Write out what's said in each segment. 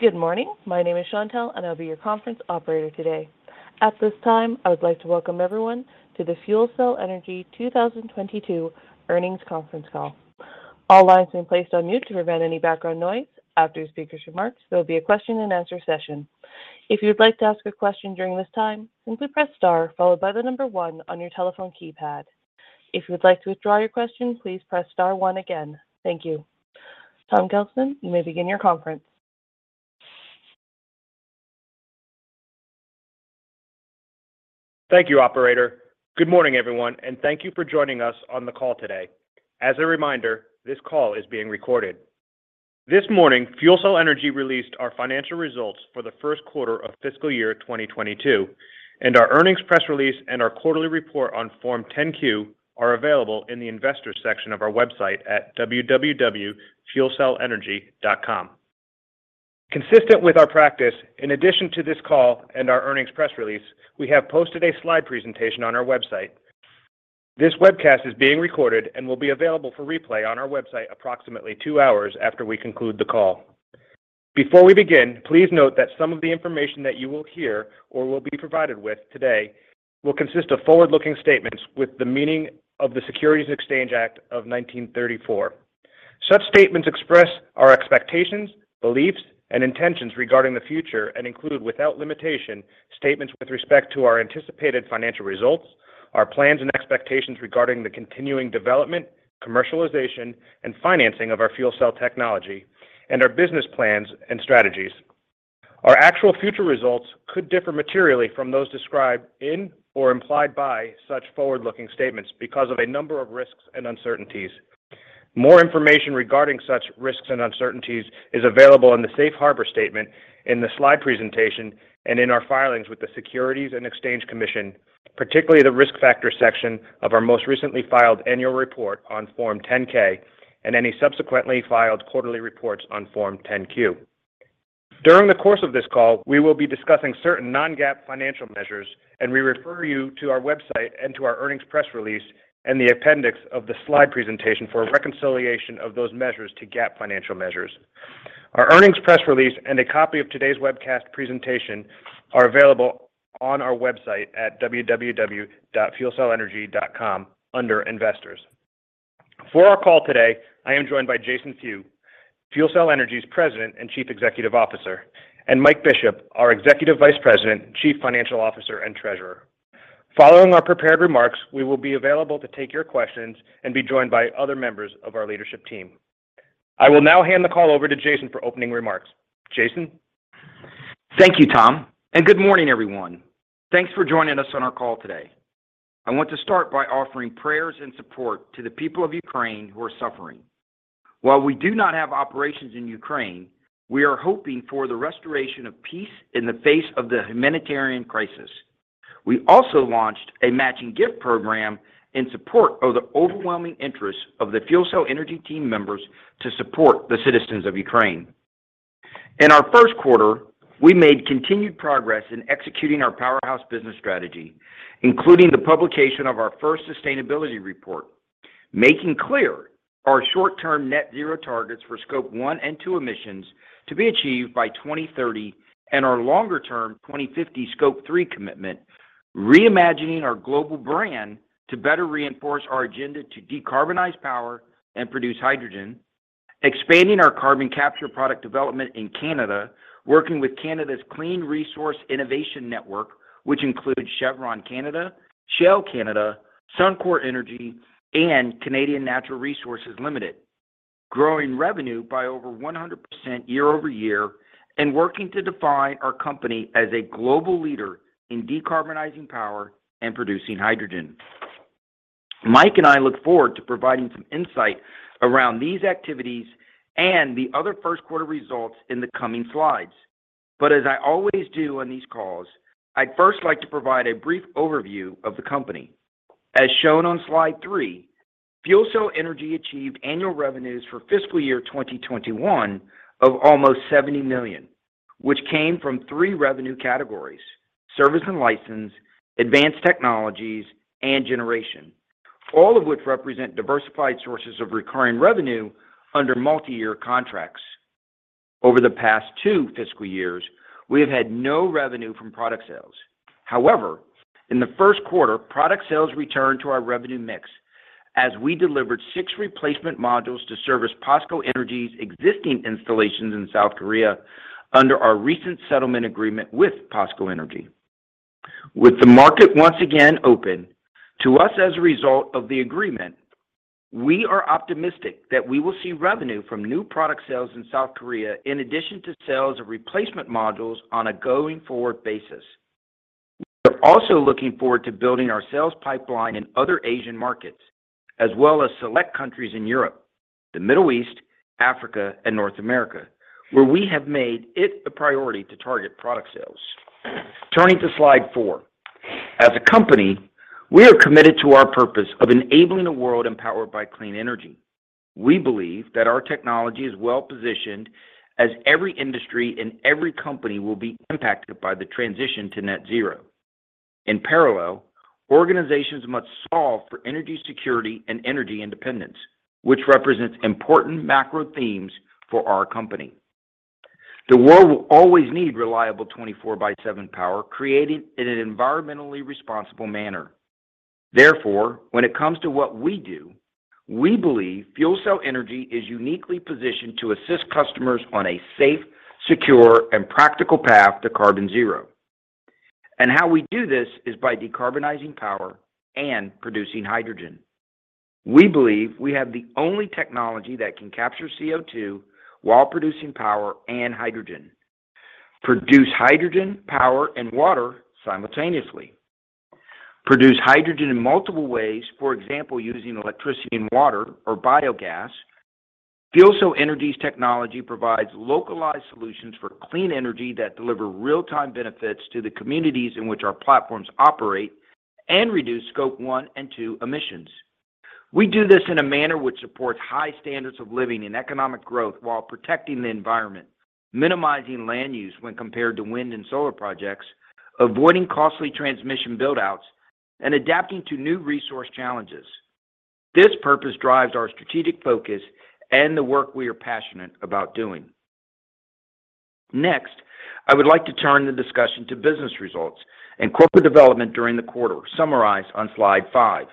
Good morning. My name is Chantelle, and I'll be your conference operator today. At this time, I would like to welcome everyone to the FuelCell Energy 2022 earnings conference call. All lines have been placed on mute to prevent any background noise. After the speaker's remarks, there will be a question and answer session. If you would like to ask a question during this time, simply press star followed by the number one on your telephone keypad. If you would like to withdraw your question, please press star one again. Thank you. Tom Gelston, you may begin your conference. Thank you, operator. Good morning, everyone, and thank you for joining us on the call today. As a reminder, this call is being recorded. This morning, FuelCell Energy released our financial results for the first quarter of fiscal year 2022, and our earnings press release and our quarterly report on Form 10-Q are available in the investors section of our website at www.fuelcellenergy.com. Consistent with our practice, in addition to this call and our earnings press release, we have posted a slide presentation on our website. This webcast is being recorded and will be available for replay on our website approximately two hours after we conclude the call. Before we begin, please note that some of the information that you will hear or will be provided with today will consist of forward-looking statements with the meaning of the Securities Exchange Act of 1934. Such statements express our expectations, beliefs, and intentions regarding the future and include, without limitation, statements with respect to our anticipated financial results, our plans and expectations regarding the continuing development, commercialization, and financing of our fuel cell technology, and our business plans and strategies. Our actual future results could differ materially from those described in or implied by such forward-looking statements because of a number of risks and uncertainties. More information regarding such risks and uncertainties is available in the Safe Harbor statement in the slide presentation and in our filings with the Securities and Exchange Commission, particularly the Risk Factors section of our most recently filed annual report on Form 10-K and any subsequently filed quarterly reports on Form 10-Q. During the course of this call, we will be discussing certain non-GAAP financial measures, and we refer you to our website and to our earnings press release and the appendix of the slide presentation for a reconciliation of those measures to GAAP financial measures. Our earnings press release and a copy of today's webcast presentation are available on our website at www.fuelcellenergy.com under Investors. For our call today, I am joined by Jason Few, FuelCell Energy's President and Chief Executive Officer, and Mike Bishop, our Executive Vice President, Chief Financial Officer, and Treasurer. Following our prepared remarks, we will be available to take your questions and be joined by other members of our leadership team. I will now hand the call over to Jason for opening remarks. Jason. Thank you, Tom, and good morning, everyone. Thanks for joining us on our call today. I want to start by offering prayers and support to the people of Ukraine who are suffering. While we do not have operations in Ukraine, we are hoping for the restoration of peace in the face of the humanitarian crisis. We also launched a matching gift program in support of the overwhelming interest of the FuelCell Energy team members to support the citizens of Ukraine. In our first quarter, we made continued progress in executing our Powerhouse business strategy, including the publication of our first sustainability report, making clear our short-term net zero targets for Scope 1 and Scope 2 emissions to be achieved by 2030 and our longer-term 2050 Scope 3 commitment, reimagining our global brand to better reinforce our agenda to decarbonize power and produce hydrogen, expanding our carbon capture product development in Canada, working with Canada's Clean Resource Innovation Network, which includes Chevron Canada, Shell Canada, Suncor Energy, and Canadian Natural Resources Limited, growing revenue by over 100% year-over-year and working to define our company as a global leader in decarbonizing power and producing hydrogen. Mike and I look forward to providing some insight around these activities and the other first quarter results in the coming slides. As I always do on these calls, I'd first like to provide a brief overview of the company. As shown on slide three, FuelCell Energy achieved annual revenues for fiscal year 2021 of almost $70 million, which came from three revenue categories, service and license, advanced technologies, and generation, all of which represent diversified sources of recurring revenue under multi-year contracts. Over the past two fiscal years, we have had no revenue from product sales. However, in the first quarter, product sales returned to our revenue mix as we delivered six replacement modules to service POSCO Energy's existing installations in South Korea under our recent settlement agreement with POSCO Energy. With the market once again open to us as a result of the agreement, we are optimistic that we will see revenue from new product sales in South Korea in addition to sales of replacement modules on a going-forward basis. We are also looking forward to building our sales pipeline in other Asian markets as well as select countries in Europe, the Middle East, Africa, and North America, where we have made it a priority to target product sales. Turning to slide four. As a company, we are committed to our purpose of enabling a world empowered by clean energy. We believe that our technology is well-positioned as every industry and every company will be impacted by the transition to net zero. In parallel, organizations must solve for energy security and energy independence, which represents important macro themes for our company. The world will always need reliable 24/7 power created in an environmentally responsible manner. Therefore, when it comes to what we do, we believe FuelCell Energy is uniquely positioned to assist customers on a safe, secure, and practical path to carbon zero. How we do this is by decarbonizing power and producing hydrogen. We believe we have the only technology that can capture CO2 while producing power and hydrogen, produce hydrogen, power, and water simultaneously, produce hydrogen in multiple ways, for example, using electricity and water or biogas. FuelCell Energy's technology provides localized solutions for clean energy that deliver real-time benefits to the communities in which our platforms operate and reduce Scope 1 and 2 emissions. We do this in a manner which supports high standards of living and economic growth while protecting the environment, minimizing land use when compared to wind and solar projects, avoiding costly transmission build-outs, and adapting to new resource challenges. This purpose drives our strategic focus and the work we are passionate about doing. Next, I would like to turn the discussion to business results and corporate development during the quarter, summarized on slide five.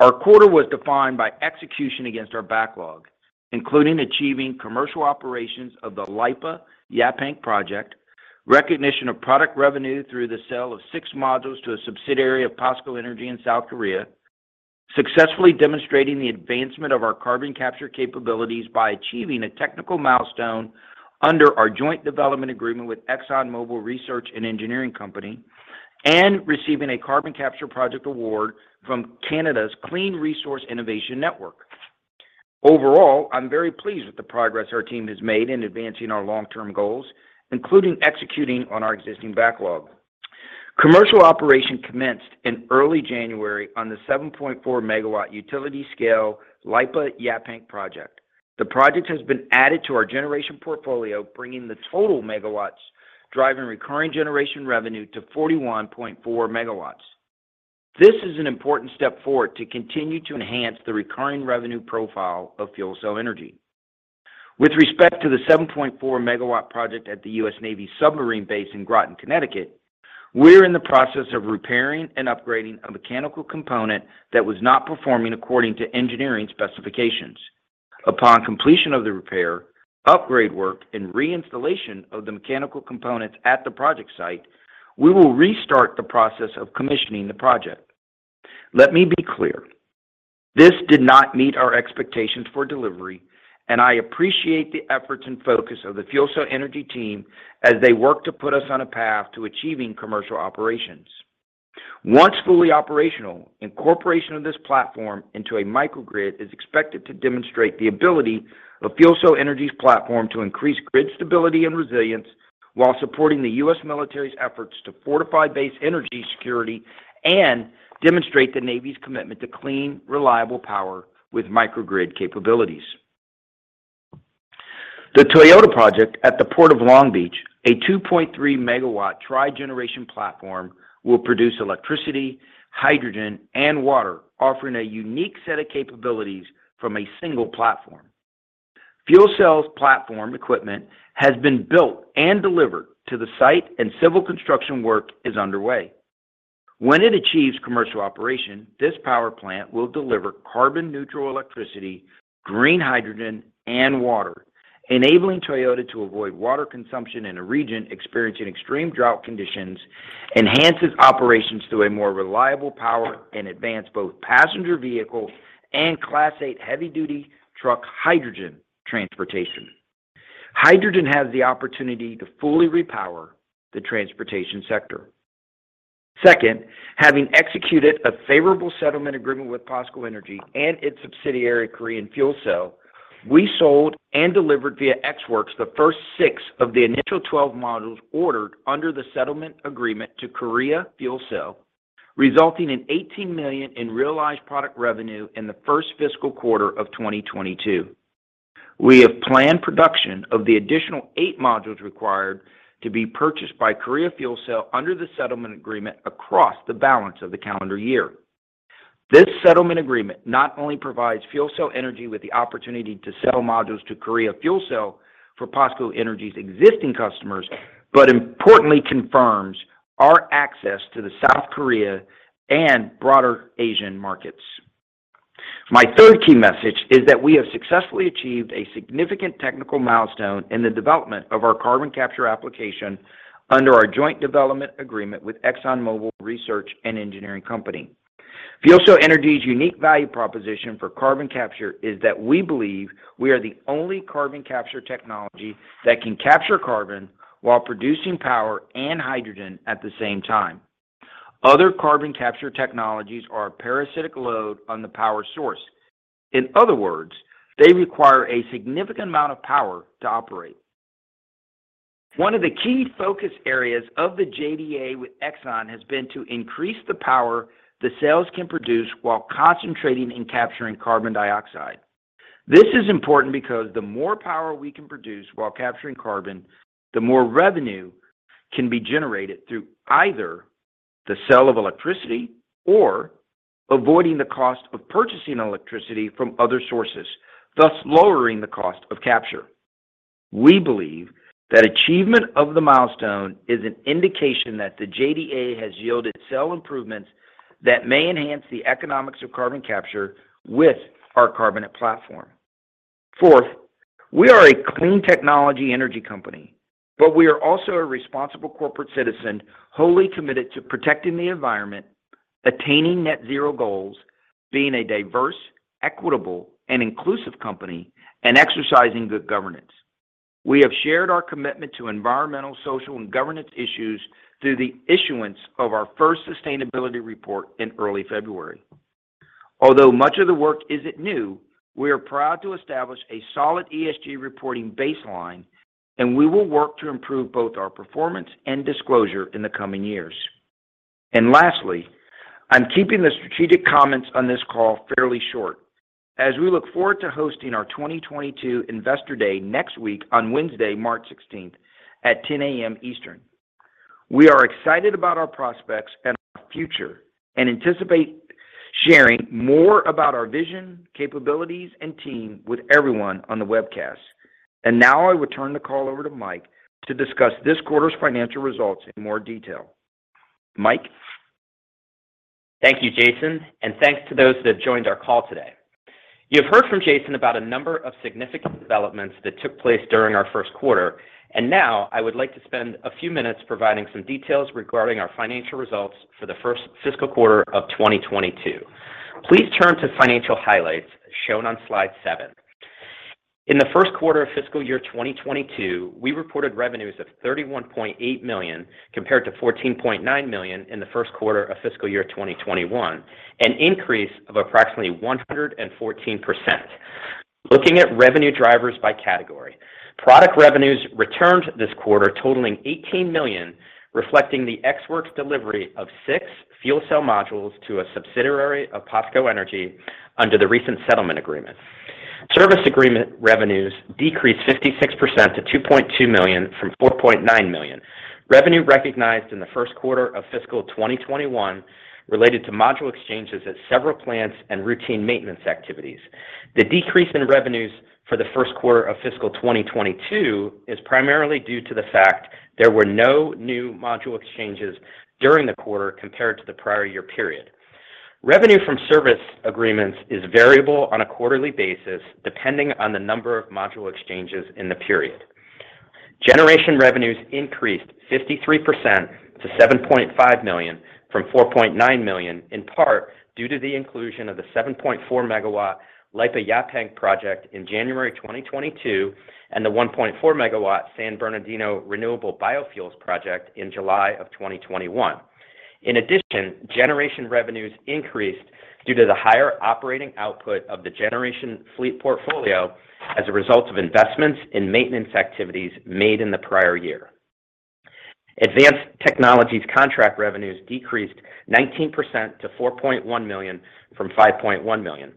Our quarter was defined by execution against our backlog, including achieving commercial operations of the LIPA Yaphank project, recognition of product revenue through the sale of 6 modules to a subsidiary of POSCO Energy in South Korea, successfully demonstrating the advancement of our carbon capture capabilities by achieving a technical milestone under our joint development agreement with ExxonMobil Research and Engineering Company, and receiving a carbon capture project award from Canada's Clean Resource Innovation Network. Overall, I'm very pleased with the progress our team has made in advancing our long-term goals, including executing on our existing backlog. Commercial operation commenced in early January on the 7.4 MW utility-scale LIPA Yaphank project. The project has been added to our generation portfolio, bringing the total megawatts driving recurring generation revenue to 41.4 MW. This is an important step forward to continue to enhance the recurring revenue profile of FuelCell Energy. With respect to the 7.4 MW project at the U.S. Navy submarine base in Groton, Connecticut, we're in the process of repairing and upgrading a mechanical component that was not performing according to engineering specifications. Upon completion of the repair, upgrade work, and reinstallation of the mechanical components at the project site, we will restart the process of commissioning the project. Let me be clear, this did not meet our expectations for delivery, and I appreciate the efforts and focus of the FuelCell Energy team as they work to put us on a path to achieving commercial operations. Once fully operational, incorporation of this platform into a microgrid is expected to demonstrate the ability of FuelCell Energy's platform to increase grid stability and resilience while supporting the U.S. military's efforts to fortify base energy security and demonstrate the U.S. Navy's commitment to clean, reliable power with microgrid capabilities. The Toyota project at the Port of Long Beach, a 2.3 MW tri-generation platform, will produce electricity, hydrogen, and water, offering a unique set of capabilities from a single platform. FuelCell's platform equipment has been built and delivered to the site, and civil construction work is underway. When it achieves commercial operation, this power plant will deliver carbon-neutral electricity, green hydrogen, and water, enabling Toyota to avoid water consumption in a region experiencing extreme drought conditions, enhances operations through a more reliable power, and advance both passenger vehicle and Class 8 heavy-duty truck hydrogen transportation. Hydrogen has the opportunity to fully repower the transportation sector. Second, having executed a favorable settlement agreement with POSCO Energy and its subsidiary, Korea Fuel Cell, we sold and delivered via Ex Works the first six of the initial 12 modules ordered under the settlement agreement to Korea Fuel Cell, resulting in $18 million in realized product revenue in the first fiscal quarter of 2022. We have planned production of the additional eight modules required to be purchased by Korea Fuel Cell under the settlement agreement across the balance of the calendar year. This settlement agreement not only provides FuelCell Energy with the opportunity to sell modules to Korea Fuel Cell for POSCO Energy's existing customers, but importantly confirms our access to the South Korea and broader Asian markets. My third key message is that we have successfully achieved a significant technical milestone in the development of our carbon capture application under our joint development agreement with ExxonMobil Research and Engineering Company. FuelCell Energy's unique value proposition for carbon capture is that we believe we are the only carbon capture technology that can capture carbon while producing power and hydrogen at the same time. Other carbon capture technologies are a parasitic load on the power source. In other words, they require a significant amount of power to operate. One of the key focus areas of the JDA with Exxon has been to increase the power the cells can produce while concentrating and capturing carbon dioxide. This is important because the more power we can produce while capturing carbon, the more revenue can be generated through either the sale of electricity or avoiding the cost of purchasing electricity from other sources, thus lowering the cost of capture. We believe that achievement of the milestone is an indication that the JDA has yielded cell improvements that may enhance the economics of carbon capture with our carbonate platform. Fourth, we are a clean technology energy company, but we are also a responsible corporate citizen wholly committed to protecting the environment, attaining net zero goals, being a diverse, equitable, and inclusive company, and exercising good governance. We have shared our commitment to environmental, social, and governance issues through the issuance of our first sustainability report in early February. Although much of the work isn't new, we are proud to establish a solid ESG reporting baseline, and we will work to improve both our performance and disclosure in the coming years. Lastly, I'm keeping the strategic comments on this call fairly short as we look forward to hosting our 2022 Investor Day next week on Wednesday, March 16th at 10:00 A.M. Eastern. We are excited about our prospects and our future and anticipate sharing more about our vision, capabilities, and team with everyone on the webcast. Now I will turn the call over to Mike to discuss this quarter's financial results in more detail. Mike? Thank you, Jason, and thanks to those that joined our call today. You have heard from Jason about a number of significant developments that took place during our first quarter, and now I would like to spend a few minutes providing some details regarding our financial results for the first fiscal quarter of 2022. Please turn to financial highlights shown on slide seven. In the first quarter of fiscal year 2022, we reported revenues of $31.8 million compared to $14.9 million in the first quarter of fiscal year 2021, an increase of approximately 114%. Looking at revenue drivers by category, product revenues returned this quarter totaling $18 million, reflecting the Ex Works delivery of six fuel cell modules to a subsidiary of POSCO Energy under the recent settlement agreement. Service agreement revenues decreased 56% to $2.2 million from $4.9 million. Revenue recognized in the first quarter of fiscal 2021 related to module exchanges at several plants and routine maintenance activities. The decrease in revenues for the first quarter of fiscal 2022 is primarily due to the fact there were no new module exchanges during the quarter compared to the prior year period. Revenue from service agreements is variable on a quarterly basis depending on the number of module exchanges in the period. Generation revenues increased 53% to $7.5 million from $4.9 million, in part due to the inclusion of the 7.4 MW LIPA Yaphank project in January 2022 and the 1.4 MW San Bernardino Renewable Biofuels project in July 2021. In addition, generation revenues increased due to the higher operating output of the generation fleet portfolio as a result of investments in maintenance activities made in the prior year. Advanced technologies contract revenues decreased 19% to $4.1 million from $5.1 million.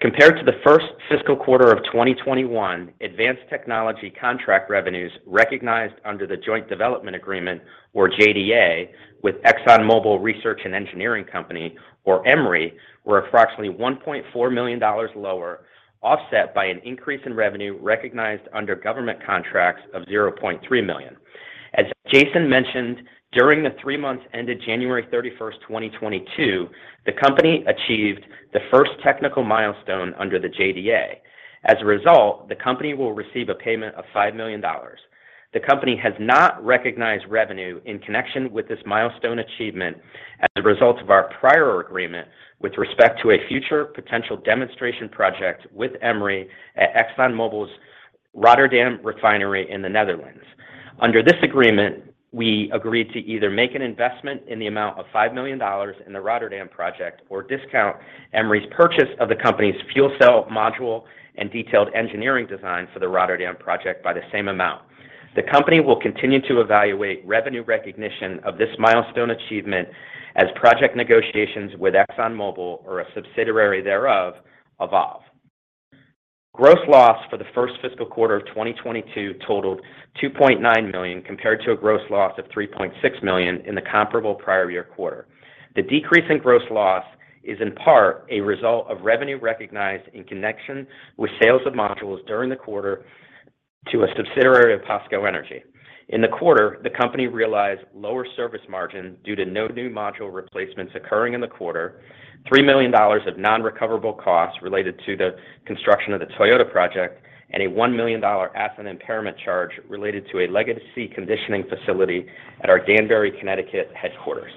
Compared to the first fiscal quarter of 2021, advanced technology contract revenues recognized under the Joint Development Agreement or JDA with ExxonMobil Research and Engineering Company or EMRE were approximately $1.4 million lower, offset by an increase in revenue recognized under government contracts of $0.3 million. As Jason mentioned, during the three months ended January 31st, 2022, the company achieved the first technical milestone under the JDA. As a result, the company will receive a payment of $5 million. The company has not recognized revenue in connection with this milestone achievement as a result of our prior agreement with respect to a future potential demonstration project with EMRE at ExxonMobil's Rotterdam Refinery in the Netherlands. Under this agreement, we agreed to either make an investment in the amount of $5 million in the Rotterdam project or discount EMRE's purchase of the company's fuel cell module and detailed engineering design for the Rotterdam project by the same amount. The company will continue to evaluate revenue recognition of this milestone achievement as project negotiations with ExxonMobil or a subsidiary thereof evolve. Gross loss for the first fiscal quarter of 2022 totaled $2.9 million compared to a gross loss of $3.6 million in the comparable prior year quarter. The decrease in gross loss is in part a result of revenue recognized in connection with sales of modules during the quarter to a subsidiary of POSCO Energy. In the quarter, the company realized lower service margin due to no new module replacements occurring in the quarter, $3 million of non-recoverable costs related to the construction of the Toyota project, and a $1 million asset impairment charge related to a legacy conditioning facility at our Danbury, Connecticut headquarters.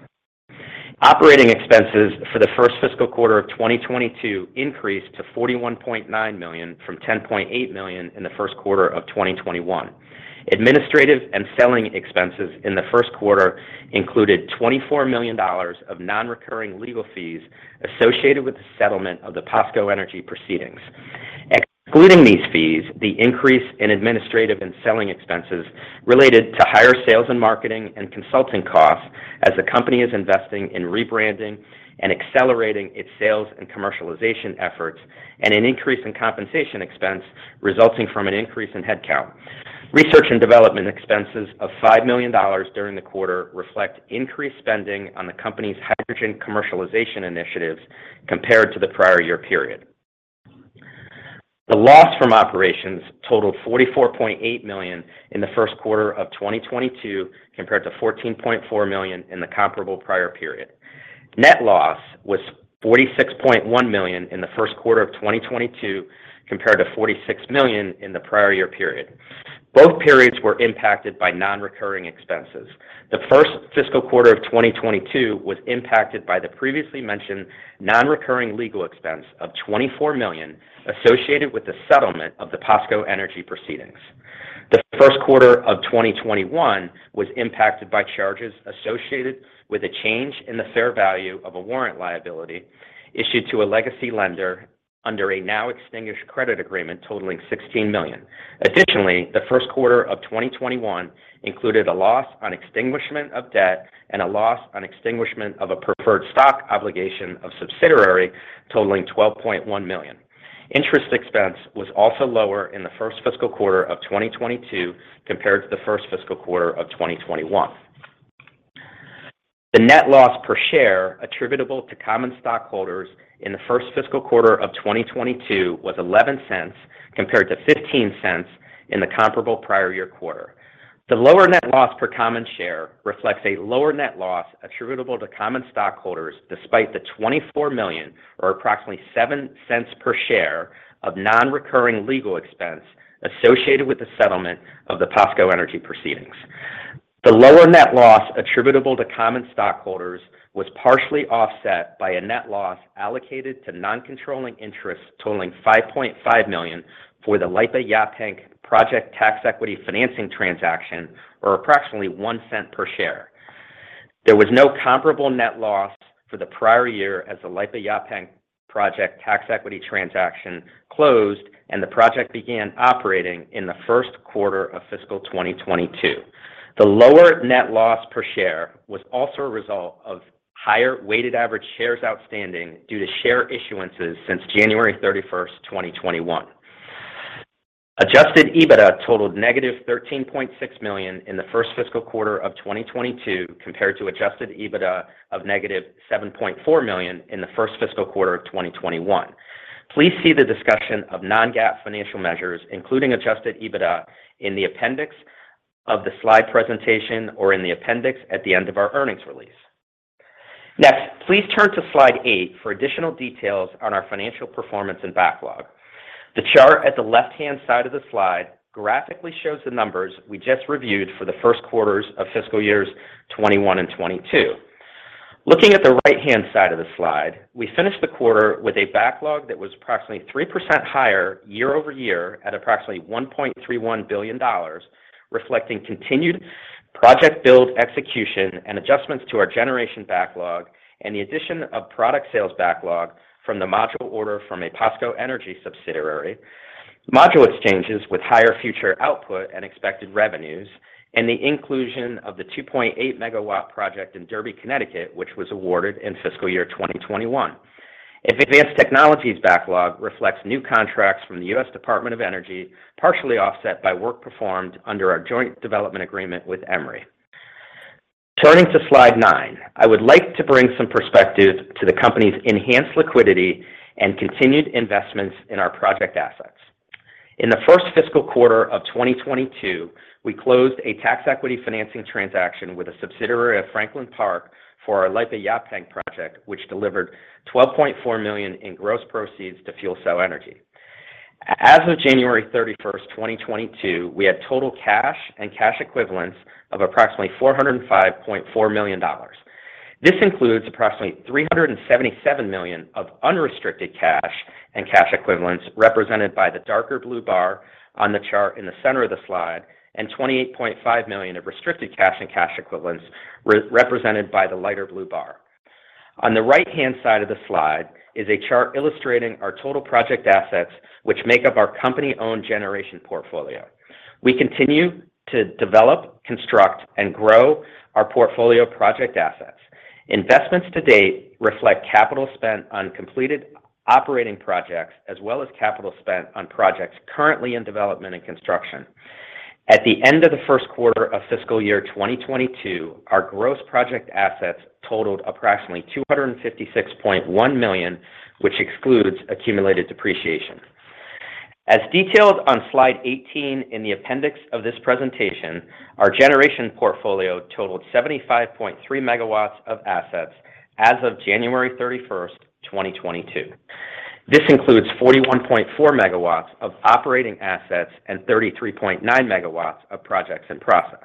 Operating expenses for the first fiscal quarter of 2022 increased to $41.9 million from $10.8 million in the first quarter of 2021. Administrative and selling expenses in the first quarter included $24 million of non-recurring legal fees associated with the settlement of the POSCO Energy proceedings. Excluding these fees, the increase in administrative and selling expenses related to higher sales and marketing and consulting costs as the company is investing in rebranding and accelerating its sales and commercialization efforts, and an increase in compensation expense resulting from an increase in headcount. Research and development expenses of $5 million during the quarter reflect increased spending on the company's hydrogen commercialization initiatives compared to the prior year period. The loss from operations totaled $44.8 million in the first quarter of 2022 compared to $14.4 million in the comparable prior period. Net loss was $46.1 million in the first quarter of 2022 compared to $46 million in the prior year period. Both periods were impacted by non-recurring expenses. The first fiscal quarter of 2022 was impacted by the previously mentioned non-recurring legal expense of $24 million associated with the settlement of the POSCO Energy proceedings. The first quarter of 2021 was impacted by charges associated with a change in the fair value of a warrant liability issued to a legacy lender under a now extinguished credit agreement totaling $16 million. Additionally, the first quarter of 2021 included a loss on extinguishment of debt and a loss on extinguishment of a preferred stock obligation of subsidiary totaling $12.1 million. Interest expense was also lower in the first fiscal quarter of 2022 compared to the first fiscal quarter of 2021. The net loss per share attributable to common stockholders in the first fiscal quarter of 2022 was $0.11 compared to $0.15 in the comparable prior year quarter. The lower net loss per common share reflects a lower net loss attributable to common stockholders despite the $24 million or approximately $0.07 per share of non-recurring legal expense associated with the settlement of the POSCO Energy proceedings. The lower net loss attributable to common stockholders was partially offset by a net loss allocated to non-controlling interest totaling $5.5 million for the LIPA Yaphank project tax equity financing transaction, or approximately $0.01 per share. There was no comparable net loss for the prior year as the LIPA Yaphank project tax equity transaction closed and the project began operating in the first quarter of fiscal 2022. The lower net loss per share was also a result of higher weighted average shares outstanding due to share issuances since January 31st, 2021. Adjusted EBITDA totaled -$13.6 million in the first fiscal quarter of 2022 compared to adjusted EBITDA of -$7.4 million in the first fiscal quarter of 2021. Please see the discussion of non-GAAP financial measures, including adjusted EBITDA, in the appendix of the slide presentation or in the appendix at the end of our earnings release. Next, please turn to slide eight for additional details on our financial performance and backlog. The chart at the left-hand side of the slide graphically shows the numbers we just reviewed for the first quarters of fiscal years 2021 and 2022. Looking at the right-hand side of the slide, we finished the quarter with a backlog that was approximately 3% higher year-over-year at approximately $1.31 billion, reflecting continued project build execution and adjustments to our generation backlog and the addition of product sales backlog from the module order from a POSCO Energy subsidiary. Module exchanges with higher future output and expected revenues, and the inclusion of the 2.8 MW project in Derby, Connecticut, which was awarded in fiscal year 2021. Our advanced technologies backlog reflects new contracts from the U.S. Department of Energy, partially offset by work performed under our joint development agreement with EMRE. Turning to slide nine, I would like to bring some perspective to the company's enhanced liquidity and continued investments in our project assets. In the first fiscal quarter of 2022, we closed a tax equity financing transaction with a subsidiary of Franklin Park for our LIPA Yaphank project, which delivered $12.4 million in gross proceeds to FuelCell Energy. As of January 31st, 2022, we had total cash and cash equivalents of approximately $405.4 million. This includes approximately $377 million of unrestricted cash and cash equivalents represented by the darker blue bar on the chart in the center of the slide, and $28.5 million of restricted cash and cash equivalents represented by the lighter blue bar. On the right-hand side of the slide is a chart illustrating our total project assets, which make up our company-owned generation portfolio. We continue to develop, construct, and grow our portfolio project assets. Investments to date reflect capital spent on completed operating projects, as well as capital spent on projects currently in development and construction. At the end of the first quarter of fiscal year 2022, our gross project assets totaled approximately $256.1 million, which excludes accumulated depreciation. As detailed on slide 18 in the appendix of this presentation, our generation portfolio totaled 75.3 MW of assets as of January 31st, 2022. This includes 41.4 MW of operating assets and 33.9 MW of projects in process.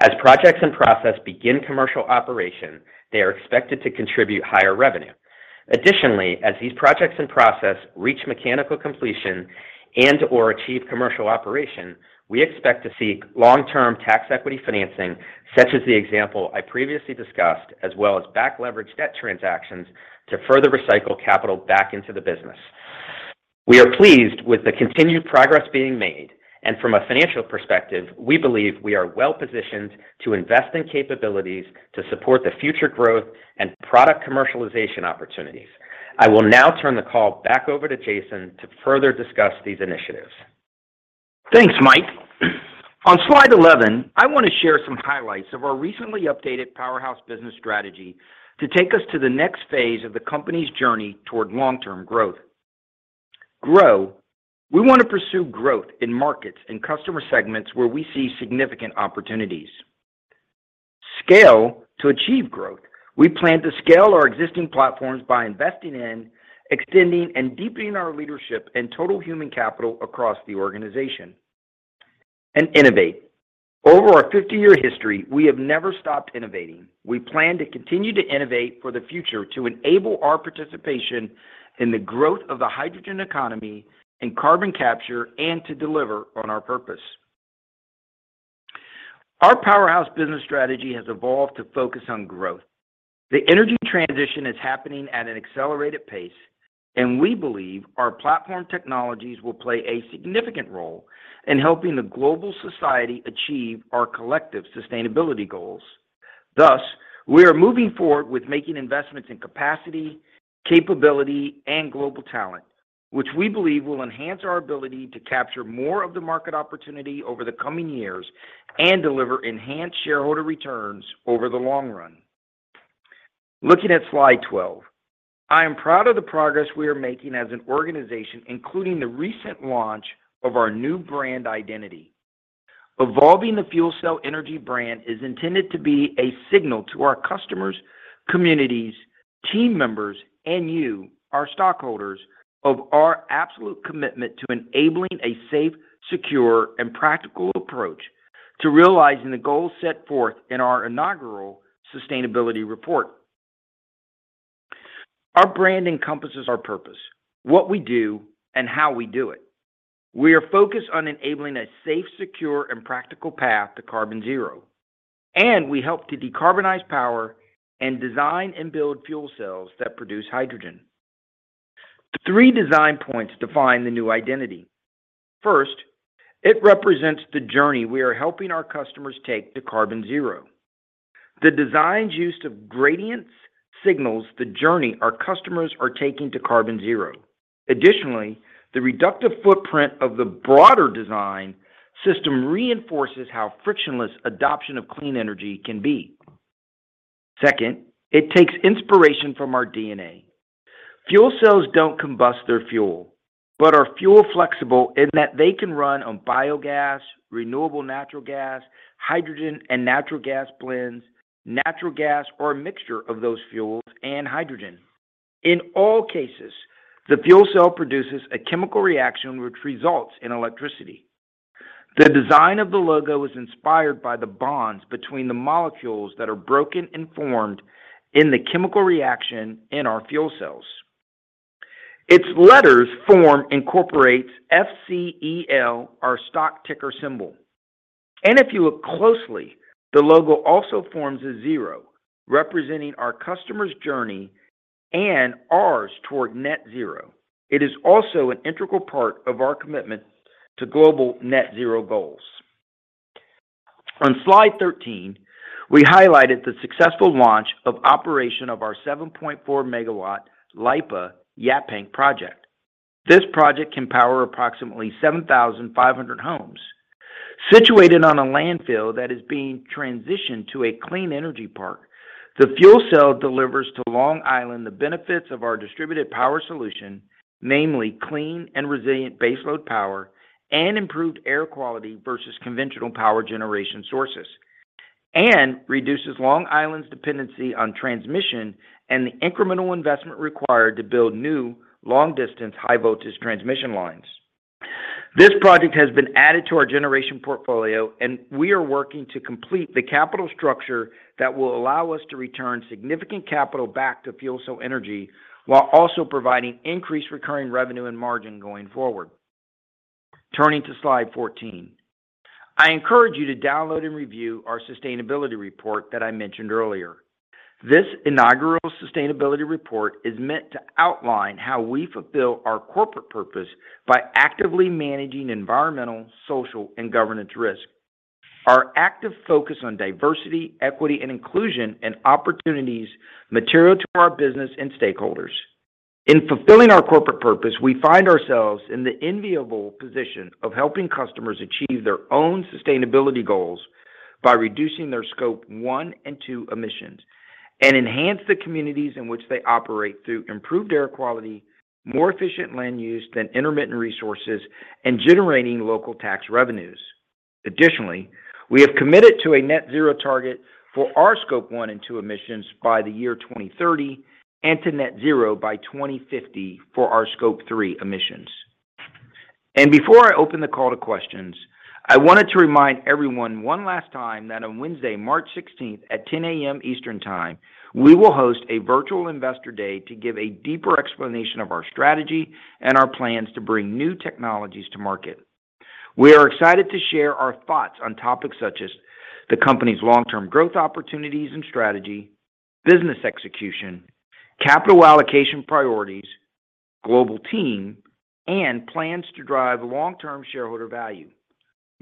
As projects in process begin commercial operation, they are expected to contribute higher revenue. Additionally, as these projects in process reach mechanical completion and/or achieve commercial operation, we expect to see long-term tax equity financing, such as the example I previously discussed, as well as back-leveraged debt transactions to further recycle capital back into the business. We are pleased with the continued progress being made. From a financial perspective, we believe we are well-positioned to invest in capabilities to support the future growth and product commercialization opportunities. I will now turn the call back over to Jason to further discuss these initiatives. Thanks, Mike. On slide 11, I wanna share some highlights of our recently updated Powerhouse business strategy to take us to the next phase of the company's journey toward long-term growth. Grow. We want to pursue growth in markets and customer segments where we see significant opportunities. Scale to achieve growth. We plan to scale our existing platforms by investing in extending and deepening our leadership and total human capital across the organization. Innovate. Over our 50-year history, we have never stopped innovating. We plan to continue to innovate for the future to enable our participation in the growth of the hydrogen economy and carbon capture and to deliver on our purpose. Our Powerhouse business strategy has evolved to focus on growth. The energy transition is happening at an accelerated pace, and we believe our platform technologies will play a significant role in helping the global society achieve our collective sustainability goals. Thus, we are moving forward with making investments in capacity, capability, and global talent, which we believe will enhance our ability to capture more of the market opportunity over the coming years and deliver enhanced shareholder returns over the long run. Looking at slide 12, I am proud of the progress we are making as an organization, including the recent launch of our new brand identity. Evolving the FuelCell Energy brand is intended to be a signal to our customers, communities, team members, and you, our stockholders, of our absolute commitment to enabling a safe, secure, and practical approach to realizing the goals set forth in our inaugural sustainability report. Our brand encompasses our purpose, what we do, and how we do it. We are focused on enabling a safe, secure, and practical path to carbon zero, and we help to decarbonize power and design and build fuel cells that produce hydrogen. Three design points define the new identity. First, it represents the journey we are helping our customers take to carbon zero. The design's use of gradients signals the journey our customers are taking to carbon zero. Additionally, the reductive footprint of the broader design system reinforces how frictionless adoption of clean energy can be. Second, it takes inspiration from our DNA. Fuel cells don't combust their fuel, but are fuel-flexible in that they can run on biogas, renewable natural gas, hydrogen and natural gas blends, natural gas or a mixture of those fuels and hydrogen. In all cases, the fuel cell produces a chemical reaction which results in electricity. The design of the logo is inspired by the bonds between the molecules that are broken and formed in the chemical reaction in our fuel cells. Its letters formed incorporates FCEL, our stock ticker symbol. If you look closely, the logo also forms a zero, representing our customers' journey and ours toward net zero. It is also an integral part of our commitment to global net zero goals. On slide 13, we highlighted the successful launch of operation of our 7.4-MW LIPA Yaphank project. This project can power approximately 7,500 homes. Situated on a landfill that is being transitioned to a clean energy park, the fuel cell delivers to Long Island the benefits of our distributed power solution, namely clean and resilient baseload power and improved air quality versus conventional power generation sources, and reduces Long Island's dependency on transmission and the incremental investment required to build new long-distance high-voltage transmission lines. This project has been added to our generation portfolio, and we are working to complete the capital structure that will allow us to return significant capital back to FuelCell Energy, while also providing increased recurring revenue and margin going forward. Turning to slide 14, I encourage you to download and review our sustainability report that I mentioned earlier. This inaugural sustainability report is meant to outline how we fulfill our corporate purpose by actively managing environmental, social, and governance risk, our active focus on diversity, equity and inclusion, and opportunities material to our business and stakeholders. In fulfilling our corporate purpose, we find ourselves in the enviable position of helping customers achieve their own sustainability goals by reducing their Scope 1 and 2 emissions and enhance the communities in which they operate through improved air quality, more efficient land use than intermittent resources, and generating local tax revenues. Additionally, we have committed to a net zero target for our Scope 1 and 2 emissions by the year 2030 and to net zero by 2050 for our Scope 3 emissions. Before I open the call to questions, I wanted to remind everyone one last time that on Wednesday, March 16th at 10:00 A.M. Eastern Time, we will host a virtual investor day to give a deeper explanation of our strategy and our plans to bring new technologies to market. We are excited to share our thoughts on topics such as the company's long-term growth opportunities and strategy, business execution, capital allocation priorities, global team, and plans to drive long-term shareholder value.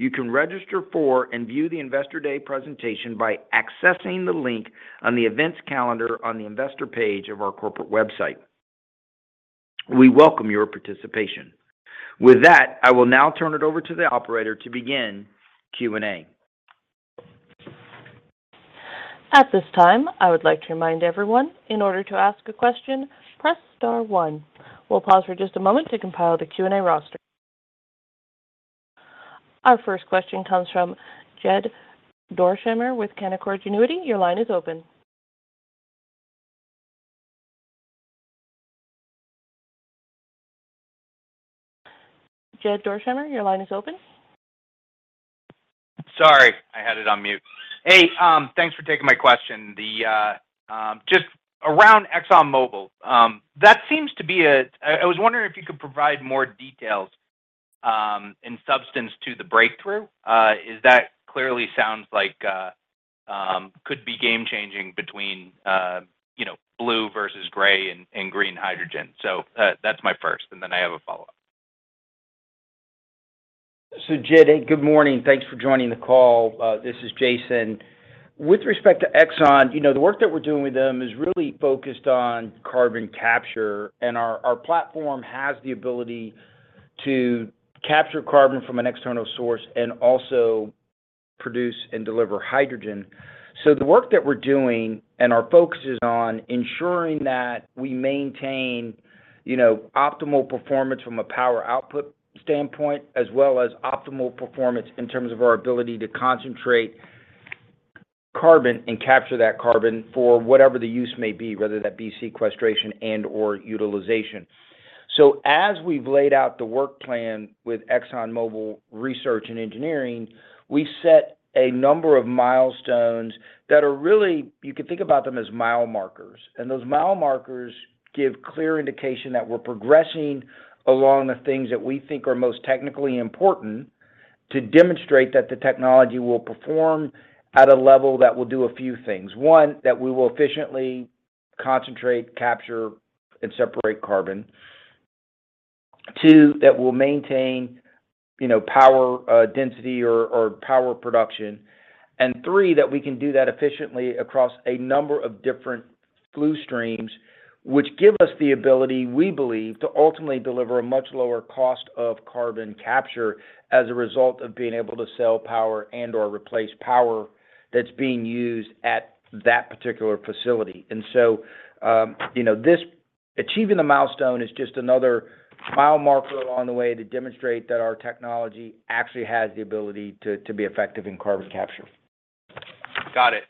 You can register for and view the Investor Day presentation by accessing the link on the events calendar on the investor page of our corporate website. We welcome your participation. With that, I will now turn it over to the operator to begin Q&A. At this time, I would like to remind everyone, in order to ask a question, press star one. We'll pause for just a moment to compile the Q&A roster. Our first question comes from Jed Dorsheimer with Canaccord Genuity. Your line is open. Jed Dorsheimer, your line is open. Sorry, I had it on mute. Hey, thanks for taking my question. Just around ExxonMobil, I was wondering if you could provide more details and substance to the breakthrough. It clearly sounds like it could be game-changing between, you know, blue versus gray and green hydrogen. That's my first, and then I have a follow-up. Jed, hey, good morning. Thanks for joining the call. This is Jason. With respect to ExxonMobil, you know, the work that we're doing with them is really focused on carbon capture, and our platform has the ability to capture carbon from an external source and also produce and deliver hydrogen. The work that we're doing and our focus is on ensuring that we maintain, you know, optimal performance from a power output standpoint, as well as optimal performance in terms of our ability to concentrate carbon and capture that carbon for whatever the use may be, whether that be sequestration and/or utilization. As we've laid out the work plan with ExxonMobil Research and Engineering, we set a number of milestones that are really, you could think about them as mile markers. Those mile markers give clear indication that we're progressing along the things that we think are most technically important to demonstrate that the technology will perform at a level that will do a few things. One, that we will efficiently concentrate, capture, and separate carbon. Two, that we'll maintain, you know, power density or power production. Three, that we can do that efficiently across a number of different flue streams, which give us the ability, we believe, to ultimately deliver a much lower cost of carbon capture as a result of being able to sell power and/or replace power that's being used at that particular facility. You know, this achieving the milestone is just another mile marker along the way to demonstrate that our technology actually has the ability to be effective in carbon capture. Got it.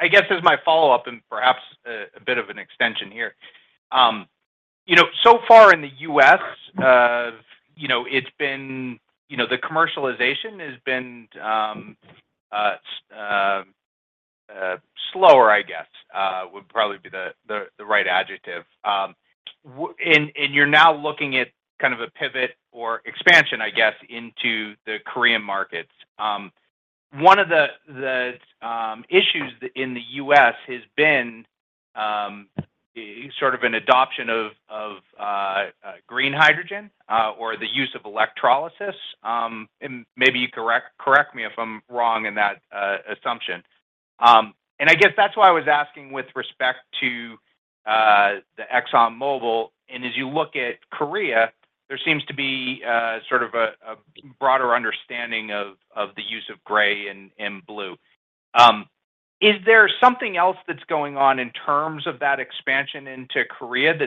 I guess as my follow-up, and perhaps a bit of an extension here, you know, so far in the U.S., you know, it's been, you know, the commercialization has been slower, I guess, would probably be the right adjective. You're now looking at kind of a pivot or expansion, I guess, into the Korean markets. One of the issues in the U.S. has been sort of an adoption of green hydrogen or the use of electrolysis. Maybe you correct me if I'm wrong in that assumption. I guess that's why I was asking with respect to the ExxonMobil, and as you look at Korea, there seems to be sort of a broader understanding of the use of gray and blue. Is there something else that's going on in terms of that expansion into Korea? Do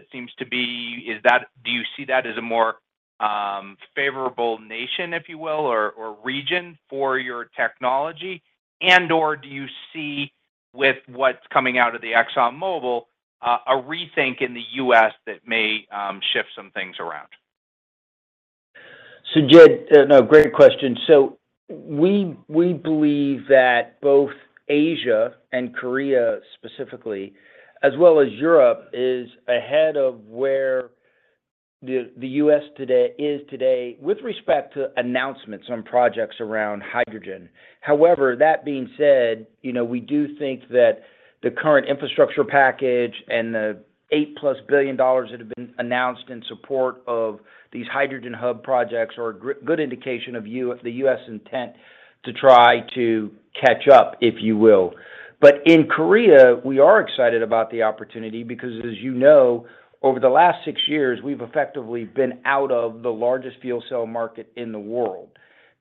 you see that as a more favorable nation, if you will, or region for your technology? And/or do you see, with what's coming out of the ExxonMobil, a rethink in the U.S. that may shift some things around? Jed, no, great question. We believe that both Asia and Korea specifically, as well as Europe, is ahead of where the U.S. is today with respect to announcements on projects around hydrogen. However, that being said, you know, we do think that the current infrastructure package and the $8+ billion that have been announced in support of these hydrogen hub projects are a good indication of the U.S. intent to try to catch up, if you will. In Korea, we are excited about the opportunity because, as you know, over the last six years, we've effectively been out of the largest fuel cell market in the world.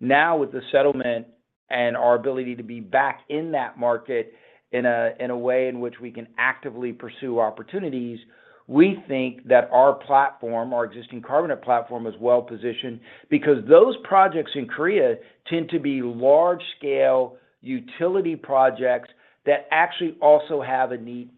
Now, with the settlement and our ability to be back in that market in a way in which we can actively pursue opportunities, we think that our platform, our existing carbonate platform, is well-positioned because those projects in Korea tend to be large-scale utility projects that actually also have a need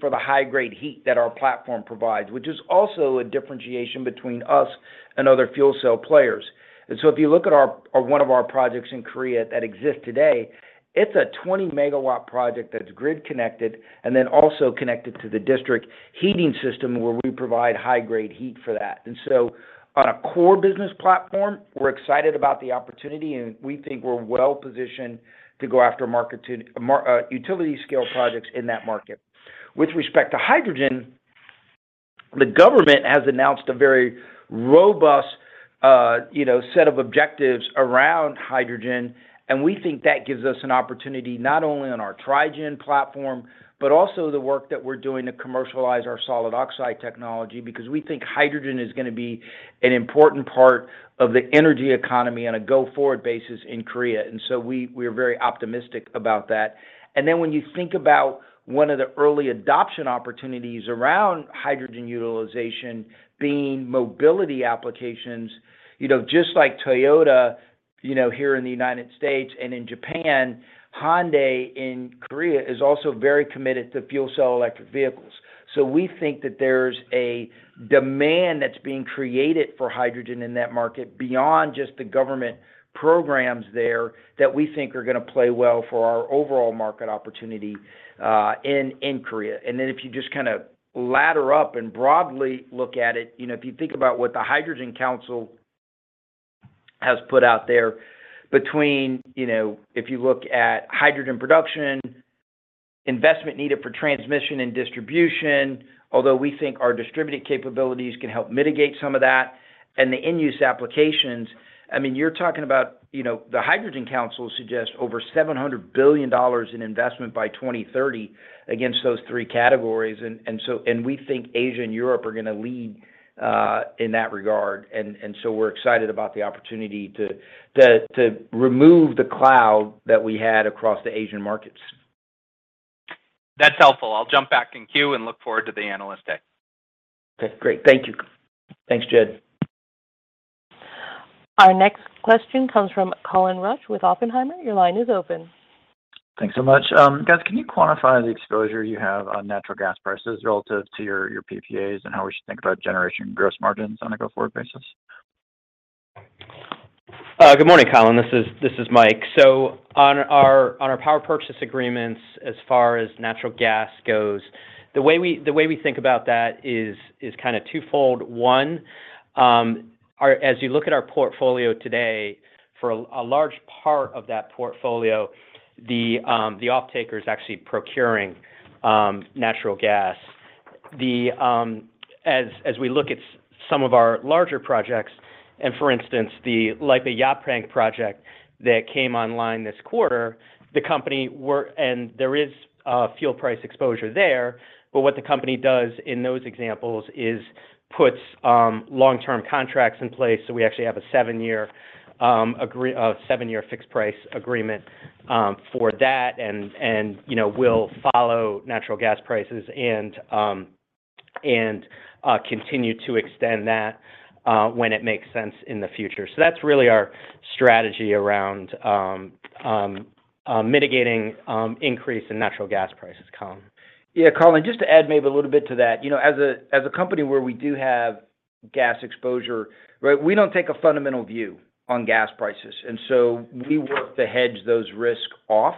for the high-grade heat that our platform provides, which is also a differentiation between us and other fuel cell players. If you look at or one of our projects in Korea that exists today, it's a 20-MW project that's grid connected and then also connected to the district heating system where we provide high-grade heat for that. On a core business platform, we're excited about the opportunity, and we think we're well-positioned to go after utility scale projects in that market. With respect to hydrogen. The government has announced a very robust, you know, set of objectives around hydrogen, and we think that gives us an opportunity not only on our Tri-gen platform, but also the work that we're doing to commercialize our solid oxide technology because we think hydrogen is gonna be an important part of the energy economy on a go-forward basis in Korea. We're very optimistic about that. When you think about one of the early adoption opportunities around hydrogen utilization being mobility applications, you know, just like Toyota, you know, here in the United States and in Japan, Hyundai in Korea is also very committed to fuel cell electric vehicles. We think that there's a demand that's being created for hydrogen in that market beyond just the government programs there that we think are gonna play well for our overall market opportunity in Korea. If you just kind of ladder up and broadly look at it, you know, if you think about what the Hydrogen Council has put out there between, you know, if you look at hydrogen production, investment needed for transmission and distribution, although we think our distributed capabilities can help mitigate some of that, and the in-use applications, I mean, you're talking about, you know, the Hydrogen Council suggests over $700 billion in investment by 2030 against those three categories. We think Asia and Europe are gonna lead in that regard. We're excited about the opportunity to remove the cloud that we had across the Asian markets. That's helpful. I'll jump back in queue and look forward to the Analyst Day. Okay, great. Thank you. Thanks, Jed. Our next question comes from Colin Rusch with Oppenheimer. Your line is open. Thanks so much. Guys, can you quantify the exposure you have on natural gas prices relative to your PPAs and how we should think about generation gross margins on a go-forward basis? Good morning, Colin. This is Mike. On our power purchase agreements as far as natural gas goes, the way we think about that is kind of twofold. One, as you look at our portfolio today, for a large part of that portfolio, the off-taker is actually procuring natural gas. As we look at some of our larger projects, for instance, like the Yaphank project that came online this quarter, and there is fuel price exposure there, but what the company does in those examples is puts long-term contracts in place, so we actually have a seven-year fixed price agreement for that, and you know, we'll follow natural gas prices and continue to extend that when it makes sense in the future. That's really our strategy around mitigating increase in natural gas prices, Colin. Yeah, Colin, just to add maybe a little bit to that. You know, as a company where we do have gas exposure, right, we don't take a fundamental view on gas prices. We work to hedge those risks off,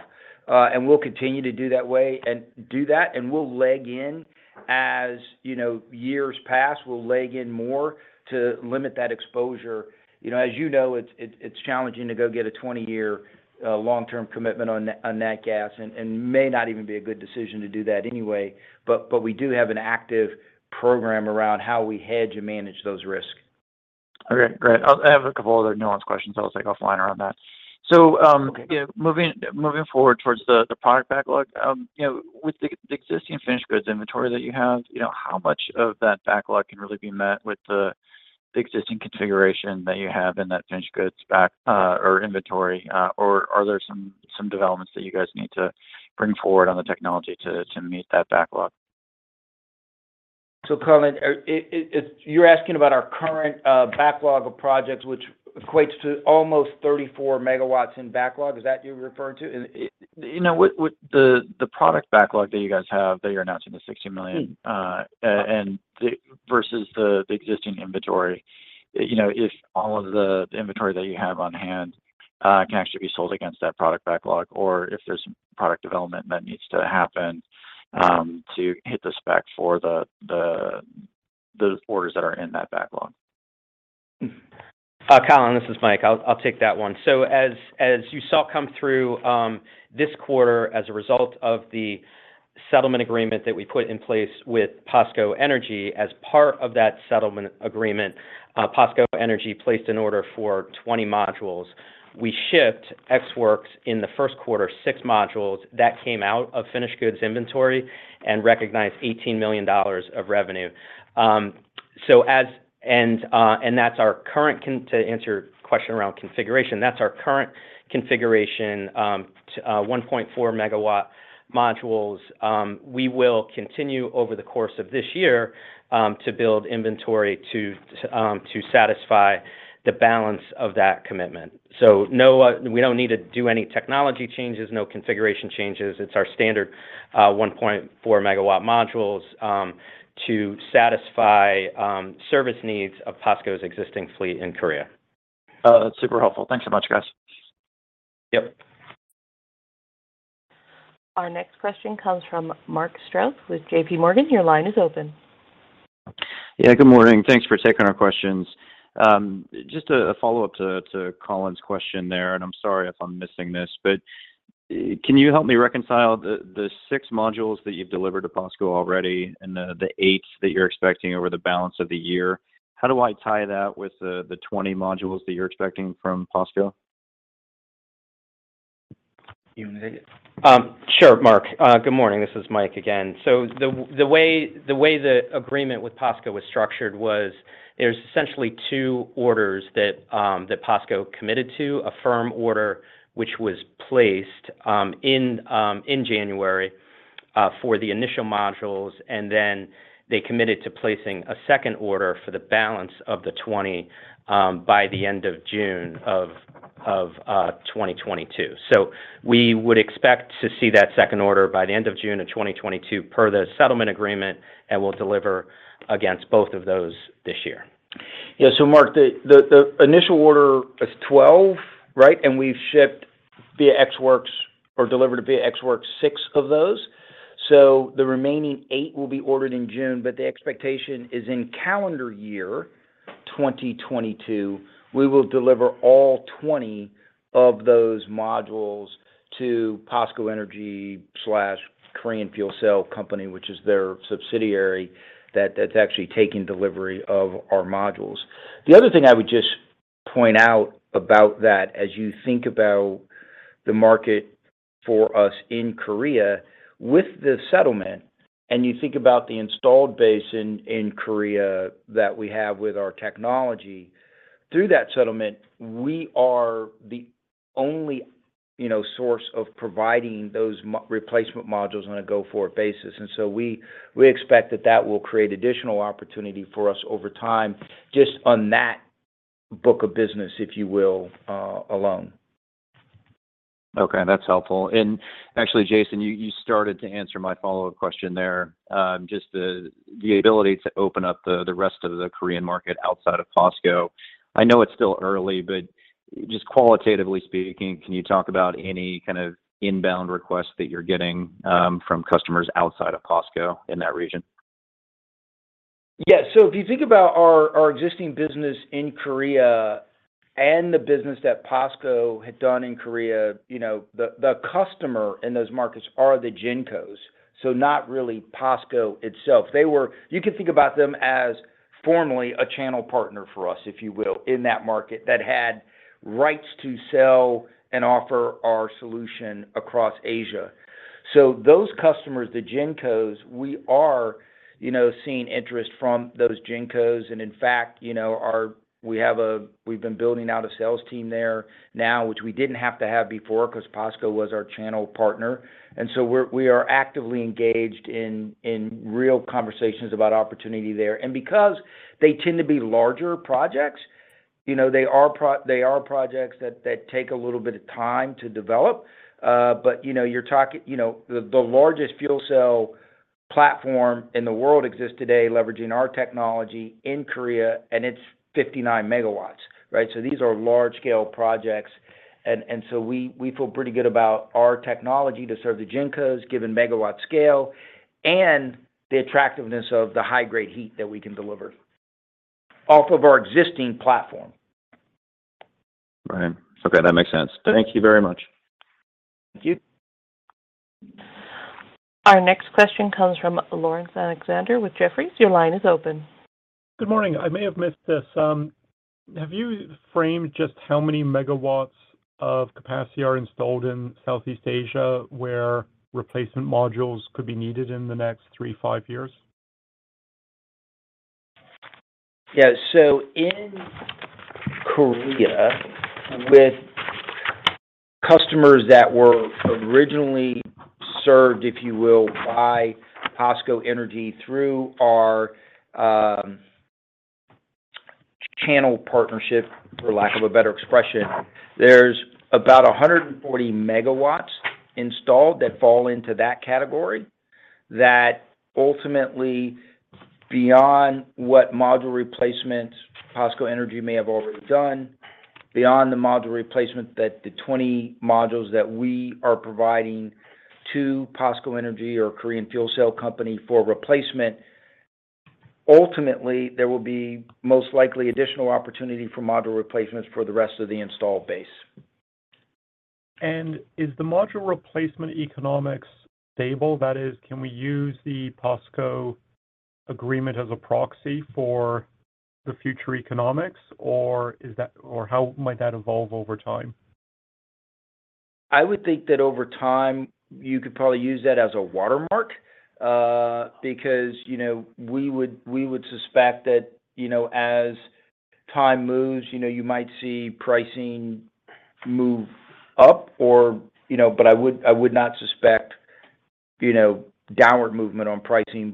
and we'll continue to do that, and we'll leg in as, you know, years pass, we'll leg in more to limit that exposure. You know, as you know, it's challenging to go get a 20-year long-term commitment on nat gas, and may not even be a good decision to do that anyway. We do have an active program around how we hedge and manage those risks. Okay, great. I have a couple other nuanced questions I'll take offline around that. Okay. Yeah, moving forward toward the product backlog, you know, with the existing finished goods inventory that you have, you know, how much of that backlog can really be met with the existing configuration that you have in that finished goods backlog or inventory? Are there some developments that you guys need to bring forward on the technology to meet that backlog? Colin, you're asking about our current backlog of projects, which equates to almost 34 MW in backlog. Is that what you're referring to? Is it- You know, with the product backlog that you guys have that you're announcing the $60 million versus the existing inventory, you know, if all of the inventory that you have on hand can actually be sold against that product backlog or if there's product development that needs to happen to hit the spec for the orders that are in that backlog? Colin, this is Mike. I'll take that one. So as you saw come through, this quarter as a result of the settlement agreement that we put in place with POSCO Energy, as part of that settlement agreement, POSCO Energy placed an order for 20 modules. We shipped ex works in the first quarter six modules that came out of finished goods inventory and recognized $18 million of revenue. And that's our current configuration to answer your question around configuration, that's our current configuration, 1.4 MW modules. We will continue over the course of this year to build inventory to satisfy the balance of that commitment. So no, we don't need to do any technology changes, no configuration changes. It's our standard 1.4 MW modules to satisfy service needs of POSCO's existing fleet in Korea. Oh, that's super helpful. Thanks so much, guys. Yep. Our next question comes from Mark Strouse with JPMorgan. Your line is open. Yeah, good morning. Thanks for taking our questions. Just a follow-up to Colin's question there, and I'm sorry if I'm missing this, but. Can you help me reconcile the six modules that you've delivered to POSCO already and the eight that you're expecting over the balance of the year? How do I tie that with the 20 modules that you're expecting from POSCO? You want me to take it? Sure, Mark. Good morning. This is Mike again. The way the agreement with POSCO was structured was there's essentially two orders that POSCO committed to: a firm order, which was placed in January for the initial modules, and then they committed to placing a second order for the balance of the 20 by the end of June of 2022. We would expect to see that second order by the end of June of 2022 per the settlement agreement, and we'll deliver against both of those this year. Yeah. Mark, the initial order is 12, right? We've shipped via Ex Works or delivered via Ex Works six of those. The remaining eight will be ordered in June, but the expectation is in calendar year 2022, we will deliver all 20 of those modules to POSCO Energy/Korea Fuel Cell Company, which is their subsidiary that's actually taking delivery of our modules. The other thing I would just point out about that as you think about the market for us in Korea with the settlement, and you think about the installed base in Korea that we have with our technology, through that settlement, we are the only, you know, source of providing those replacement modules on a go-forward basis. We expect that will create additional opportunity for us over time, just on that book of business, if you will, alone. Okay, that's helpful. Actually, Jason, you started to answer my follow-up question there, just the ability to open up the rest of the Korean market outside of POSCO. I know it's still early, but just qualitatively speaking, can you talk about any kind of inbound requests that you're getting from customers outside of POSCO in that region? Yeah. If you think about our existing business in Korea and the business that POSCO had done in Korea, you know, the customer in those markets are the GenCos, so not really POSCO itself. You could think about them as formerly a channel partner for us, if you will, in that market that had rights to sell and offer our solution across Asia. Those customers, the GenCos, we are, you know, seeing interest from those GenCos. In fact, you know, we've been building out a sales team there now, which we didn't have to have before because POSCO was our channel partner. We are actively engaged in real conversations about opportunity there. Because they tend to be larger projects, you know, they are projects that take a little bit of time to develop. You know, the largest fuel cell platform in the world exists today leveraging our technology in Korea, and it's 59 MW, right? These are large scale projects. We feel pretty good about our technology to serve the GenCos, given megawatt scale, and the attractiveness of the high grade heat that we can deliver off of our existing platform. Right. Okay, that makes sense. Thank you very much. Thank you. Our next question comes from Laurence Alexander with Jefferies. Your line is open. Good morning. I may have missed this. Have you framed just how many megawatts of capacity are installed in Southeast Asia where replacement modules could be needed in the next three to five years? Yeah. In Korea, with customers that were originally served, if you will, by POSCO Energy through our channel partnership, for lack of a better expression, there's about 140 MW installed that fall into that category that ultimately, beyond what module replacements POSCO Energy may have already done, beyond the module replacement that the 20 modules that we are providing to POSCO Energy or Korea Fuel Cell Company for replacement, ultimately, there will be most likely additional opportunity for module replacements for the rest of the installed base. Is the module replacement economics stable? That is, can we use the POSCO agreement as a proxy for the future economics, or how might that evolve over time? I would think that over time, you could probably use that as a watermark, because, you know, we would suspect that, you know, as time moves, you know, you might see pricing move up or, you know. I would not suspect, you know, downward movement on pricing.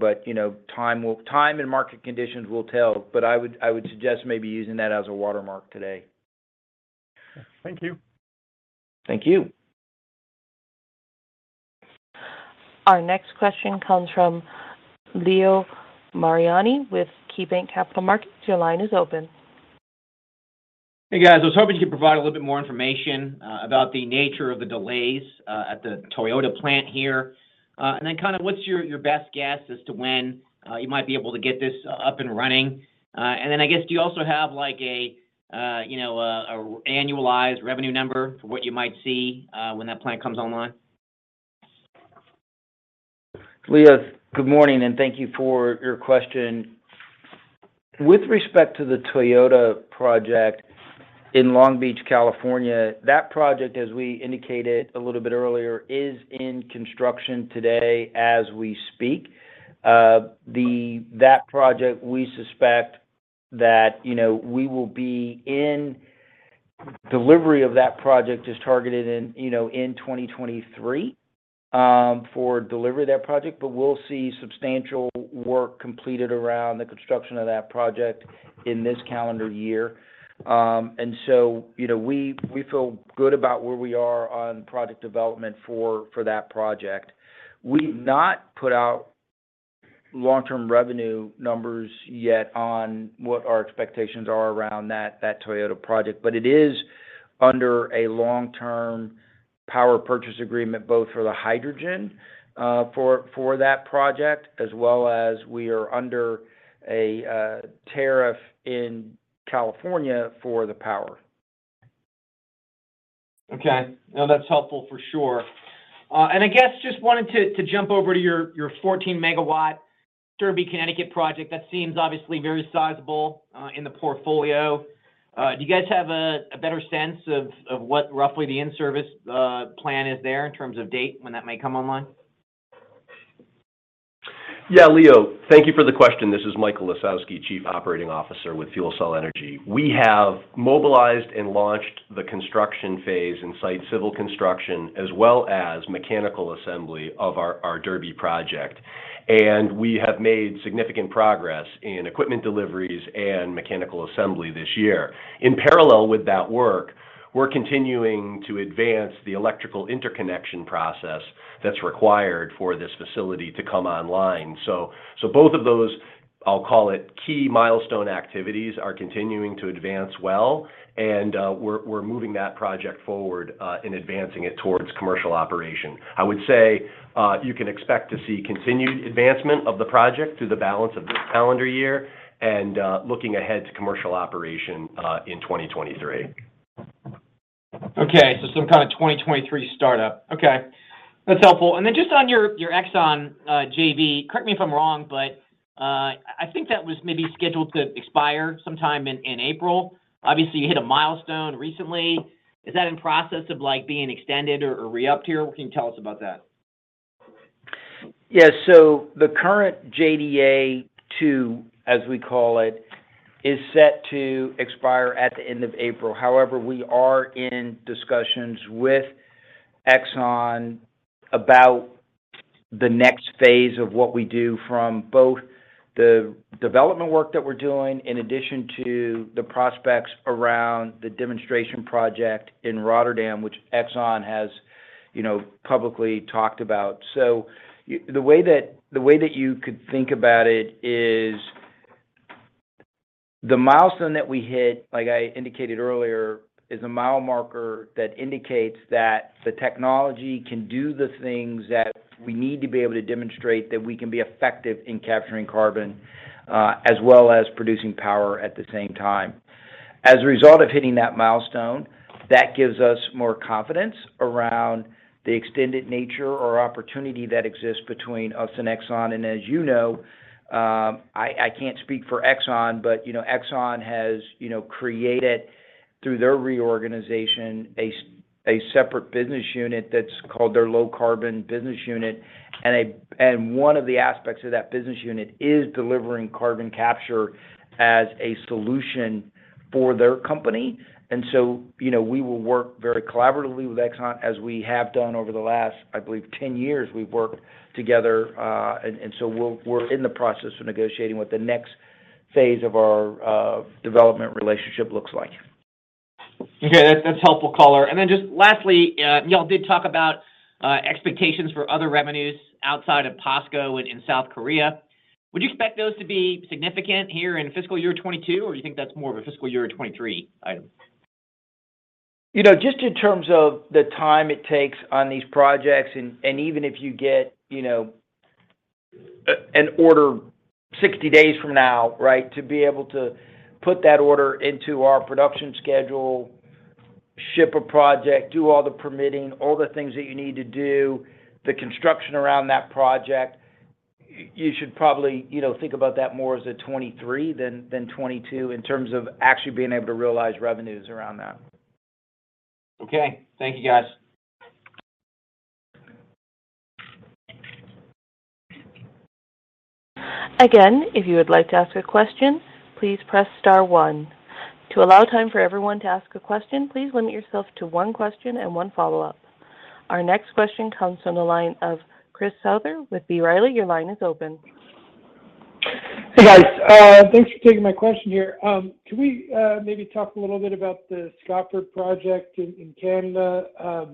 Time and market conditions will tell. I would suggest maybe using that as a watermark today. Thank you. Thank you. Our next question comes from Leo Mariani with KeyBanc Capital Markets. Your line is open. Hey, guys. I was hoping you could provide a little bit more information about the nature of the delays at the Toyota plant here. Kind of what's your best guess as to when you might be able to get this up and running? I guess do you also have like a you know an annualized revenue number for what you might see when that plant comes online? Leo, good morning, and thank you for your question. With respect to the Toyota project in Long Beach, California, that project, as we indicated a little bit earlier, is in construction today as we speak. That project, we expect that the delivery of that project is targeted in 2023. We'll see substantial work completed around the construction of that project in this calendar year. You know, we feel good about where we are on project development for that project. We've not put out long-term revenue numbers yet on what our expectations are around that Toyota project, but it is under a long-term power purchase agreement, both for the hydrogen, for that project, as well as we are under a tariff in California for the power. Okay. No, that's helpful for sure. I guess just wanted to jump over to your 14 MW Derby, Connecticut project. That seems obviously very sizable in the portfolio. Do you guys have a better sense of what roughly the in-service plan is there in terms of date when that may come online? Yeah, Leo, thank you for the question. This is Michael Lisowski, Chief Operating Officer with FuelCell Energy. We have mobilized and launched the construction phase and site civil construction, as well as mechanical assembly of our Derby project. We have made significant progress in equipment deliveries and mechanical assembly this year. In parallel with that work, we're continuing to advance the electrical interconnection process that's required for this facility to come online. Both of those, I'll call it, key milestone activities are continuing to advance well, and we're moving that project forward in advancing it towards commercial operation. I would say, you can expect to see continued advancement of the project through the balance of this calendar year and looking ahead to commercial operation in 2023. Okay. Some kind of 2023 startup. Okay. That's helpful. Just on your ExxonMobil JV, correct me if I'm wrong, but I think that was maybe scheduled to expire sometime in April. Obviously, you hit a milestone recently. Is that in process of, like, being extended or re-upped here? What can you tell us about that? Yeah. The current JDA two, as we call it, is set to expire at the end of April. However, we are in discussions with Exxon about the next phase of what we do from both the development work that we're doing, in addition to the prospects around the demonstration project in Rotterdam, which Exxon has, you know, publicly talked about. The way that you could think about it is the milestone that we hit, like I indicated earlier, is a mile marker that indicates that the technology can do the things that we need to be able to demonstrate that we can be effective in capturing carbon, as well as producing power at the same time. As a result of hitting that milestone, that gives us more confidence around the extended nature or opportunity that exists between us and Exxon. As you know, I can't speak for Exxon, but you know, Exxon has, you know, created through their reorganization a separate business unit that's called their low carbon business unit. One of the aspects of that business unit is delivering carbon capture as a solution for their company. You know, we will work very collaboratively with Exxon as we have done over the last, I believe, 10 years we've worked together. We're in the process of negotiating what the next phase of our development relationship looks like. Okay. That's helpful color. Then just lastly, y'all did talk about expectations for other revenues outside of POSCO and in South Korea. Would you expect those to be significant here in fiscal year 2022, or you think that's more of a fiscal year 2023 item? You know, just in terms of the time it takes on these projects, and even if you get, you know, an order 60 days from now, right, to be able to put that order into our production schedule, ship a project, do all the permitting, all the things that you need to do, the construction around that project, you should probably, you know, think about that more as a 2023 than 2022 in terms of actually being able to realize revenues around that. Okay. Thank you, guys. Again, if you would like to ask a question, please press star one. To allow time for everyone to ask a question, please limit yourself to one question and one follow-up. Our next question comes from the line of Chris Souther with B. Riley. Your line is open. Hey, guys. Thanks for taking my question here. Can we maybe talk a little bit about the Scotford project in Canada?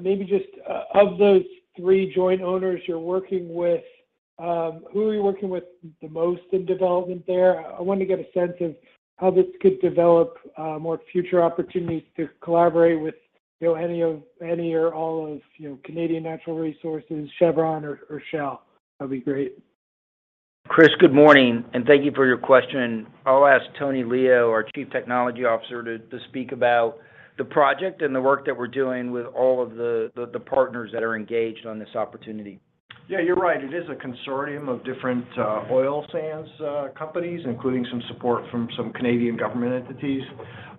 Maybe just of those three joint owners you're working with, who are you working with the most in development there? I wanted to get a sense of how this could develop more future opportunities to collaborate with, you know, any or all of, you know, Canadian Natural Resources, Chevron or Shell. That'd be great. Chris, good morning, and thank you for your question. I'll ask Tony Leo, our Chief Technology Officer, to speak about the project and the work that we're doing with all of the partners that are engaged on this opportunity. Yeah, you're right. It is a consortium of different oil sands companies, including some support from some Canadian government entities.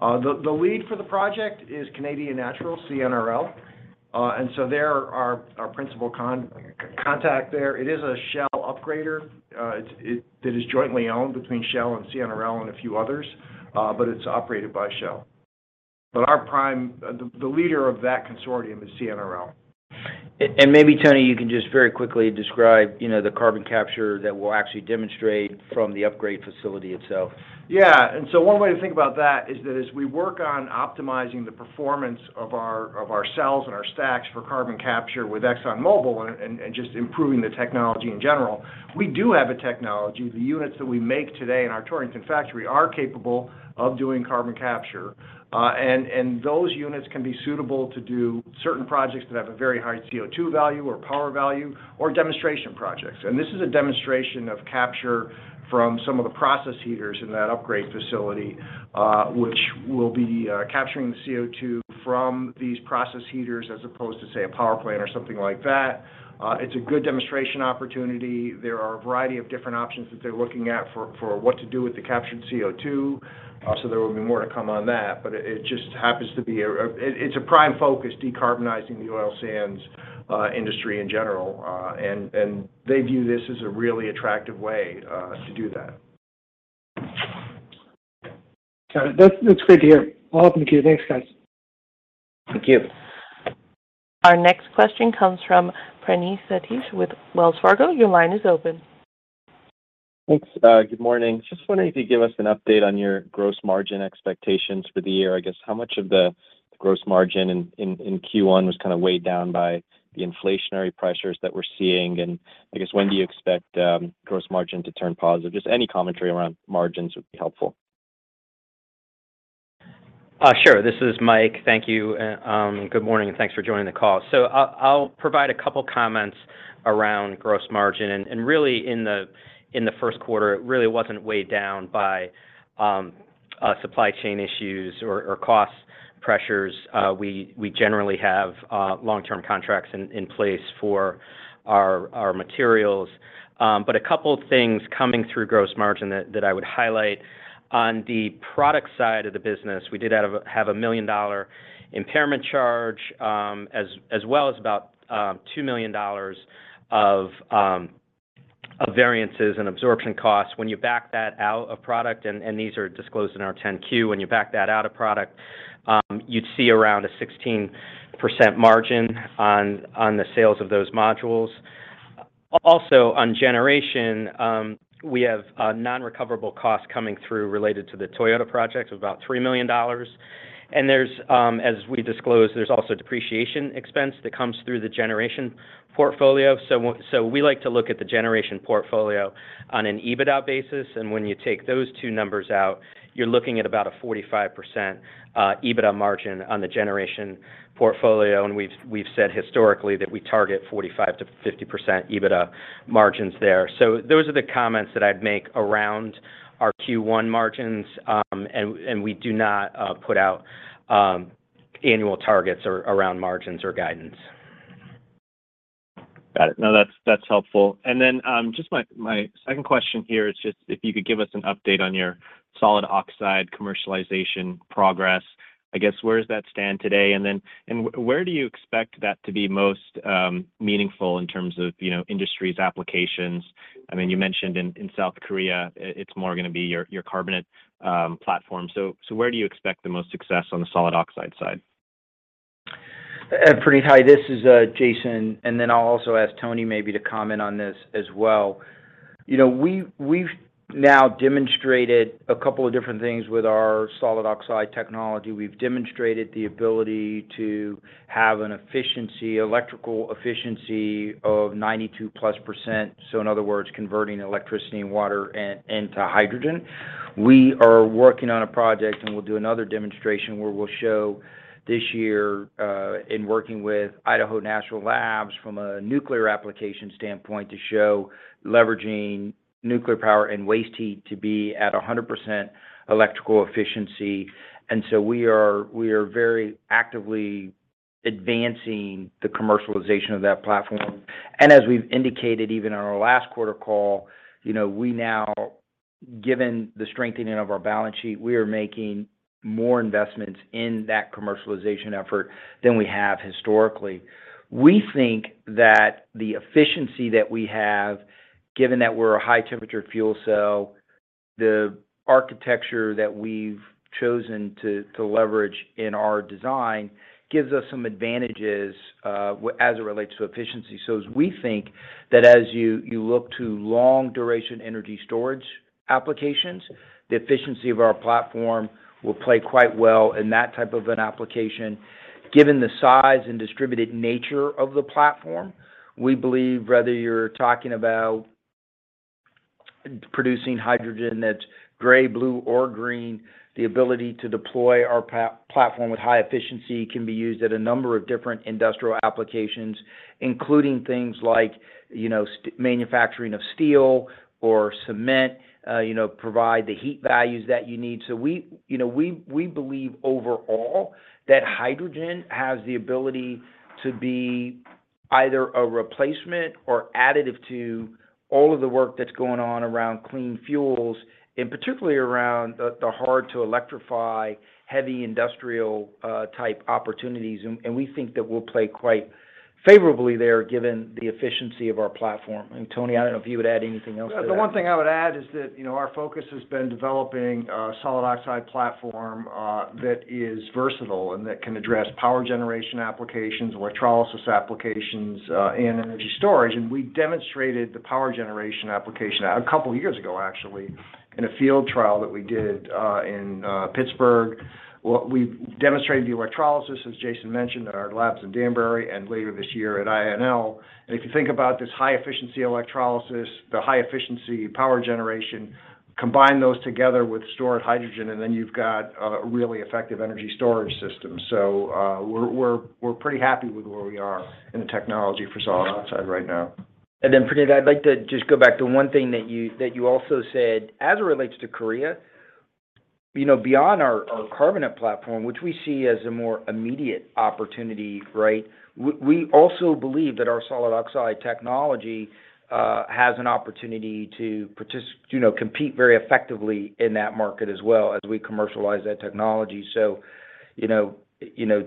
The lead for the project is Canadian Natural, CNRL. They're our principal contact there. It is a Shell upgrader. That is jointly owned between Shell and CNRL and a few others. It's operated by Shell. The leader of that consortium is CNRL. Maybe, Tony, you can just very quickly describe, you know, the carbon capture that we'll actually demonstrate from the upgrader facility itself. Yeah. One way to think about that is that as we work on optimizing the performance of our cells and our stacks for carbon capture with ExxonMobil and just improving the technology in general, we do have a technology. The units that we make today in our Torrington factory are capable of doing carbon capture. Those units can be suitable to do certain projects that have a very high CO2 value or power value or demonstration projects. This is a demonstration of capture from some of the process heaters in that upgrade facility, which will be capturing the CO2 from these process heaters as opposed to, say, a power plant or something like that. It's a good demonstration opportunity. There are a variety of different options that they're looking at for what to do with the captured CO2. There will be more to come on that. It just happens to be a prime focus, decarbonizing the oil sands industry in general. They view this as a really attractive way to do that. Got it. That's great to hear. I'll hop in queue. Thanks, guys. Thank you. Our next question comes from Praneeth Satish with Wells Fargo. Your line is open. Thanks. Good morning. Just wondering if you could give us an update on your gross margin expectations for the year. I guess how much of the gross margin in Q1 was kind of weighed down by the inflationary pressures that we're seeing? And I guess when do you expect gross margin to turn positive? Just any commentary around margins would be helpful. This is Mike. Thank you. Good morning, and thanks for joining the call. I'll provide a couple comments around gross margin. In the first quarter, it really wasn't weighed down by supply chain issues or cost pressures. We generally have long-term contracts in place for our materials. A couple things coming through gross margin that I would highlight. On the product side of the business, we did have a $1 million impairment charge, as well as about $2 million of variances and absorption costs. When you back that out of product, and these are disclosed in our 10-Q, when you back that out of product, you'd see around 16% margin on the sales of those modules. Also on generation, we have a non-recoverable cost coming through related to the Toyota project of about $3 million. As we disclosed, there's also depreciation expense that comes through the generation portfolio. We like to look at the generation portfolio on an EBITDA basis. When you take those two numbers out, you're looking at about a 45% EBITDA margin on the generation portfolio. We've said historically that we target 45%-50% EBITDA margins there. Those are the comments that I'd make around our Q1 margins. We do not put out annual targets around margins or guidance. Got it. No, that's helpful. Then, just my second question here is just if you could give us an update on your solid oxide commercialization progress. I guess, where does that stand today? Then, where do you expect that to be most meaningful in terms of, you know, industries, applications? I mean, you mentioned in South Korea, it's more gonna be your carbonate platform. Where do you expect the most success on the solid oxide side? Praneeth, hi, this is Jason, and then I'll also ask Tony maybe to comment on this as well. You know, we've now demonstrated a couple of different things with our solid oxide technology. We've demonstrated the ability to have an efficiency, electrical efficiency of 92%+, so in other words, converting electricity and water into hydrogen. We are working on a project, and we'll do another demonstration where we'll show this year in working with Idaho National Laboratory from a nuclear application standpoint to show leveraging nuclear power and waste heat to be at 100% electrical efficiency. We are very actively advancing the commercialization of that platform. As we've indicated even in our last quarter call, you know, we now, given the strengthening of our balance sheet, we are making more investments in that commercialization effort than we have historically. We think that the efficiency that we have, given that we're a high-temperature fuel cell, the architecture that we've chosen to leverage in our design gives us some advantages, as it relates to efficiency. We think that as you look to long-duration energy storage applications, the efficiency of our platform will play quite well in that type of an application. Given the size and distributed nature of the platform, we believe whether you're talking about producing hydrogen that's gray, blue or green, the ability to deploy our platform with high efficiency can be used at a number of different industrial applications. Including things like, you know, manufacturing of steel or cement, provide the heat values that you need. We believe overall that hydrogen has the ability to be either a replacement or additive to all of the work that's going on around clean fuels, and particularly around the hard to electrify heavy industrial type opportunities. We think that we'll play quite favorably there given the efficiency of our platform. Tony, I don't know if you would add anything else to that. The one thing I would add is that, you know, our focus has been developing a solid oxide platform that is versatile and that can address power generation applications, electrolysis applications, and energy storage. We demonstrated the power generation application a couple of years ago, actually, in a field trial that we did in Pittsburgh. We demonstrated the electrolysis, as Jason mentioned, at our labs in Danbury and later this year at INL. If you think about this high efficiency electrolysis, the high efficiency power generation, combine those together with stored hydrogen, and then you've got a really effective energy storage system. We're pretty happy with where we are in the technology for solid oxide right now. Then Praneeth, I'd like to just go back to one thing that you also said as it relates to Korea. You know, beyond our carbonate platform, which we see as a more immediate opportunity, right? We also believe that our solid oxide technology has an opportunity to compete very effectively in that market as well as we commercialize that technology. You know,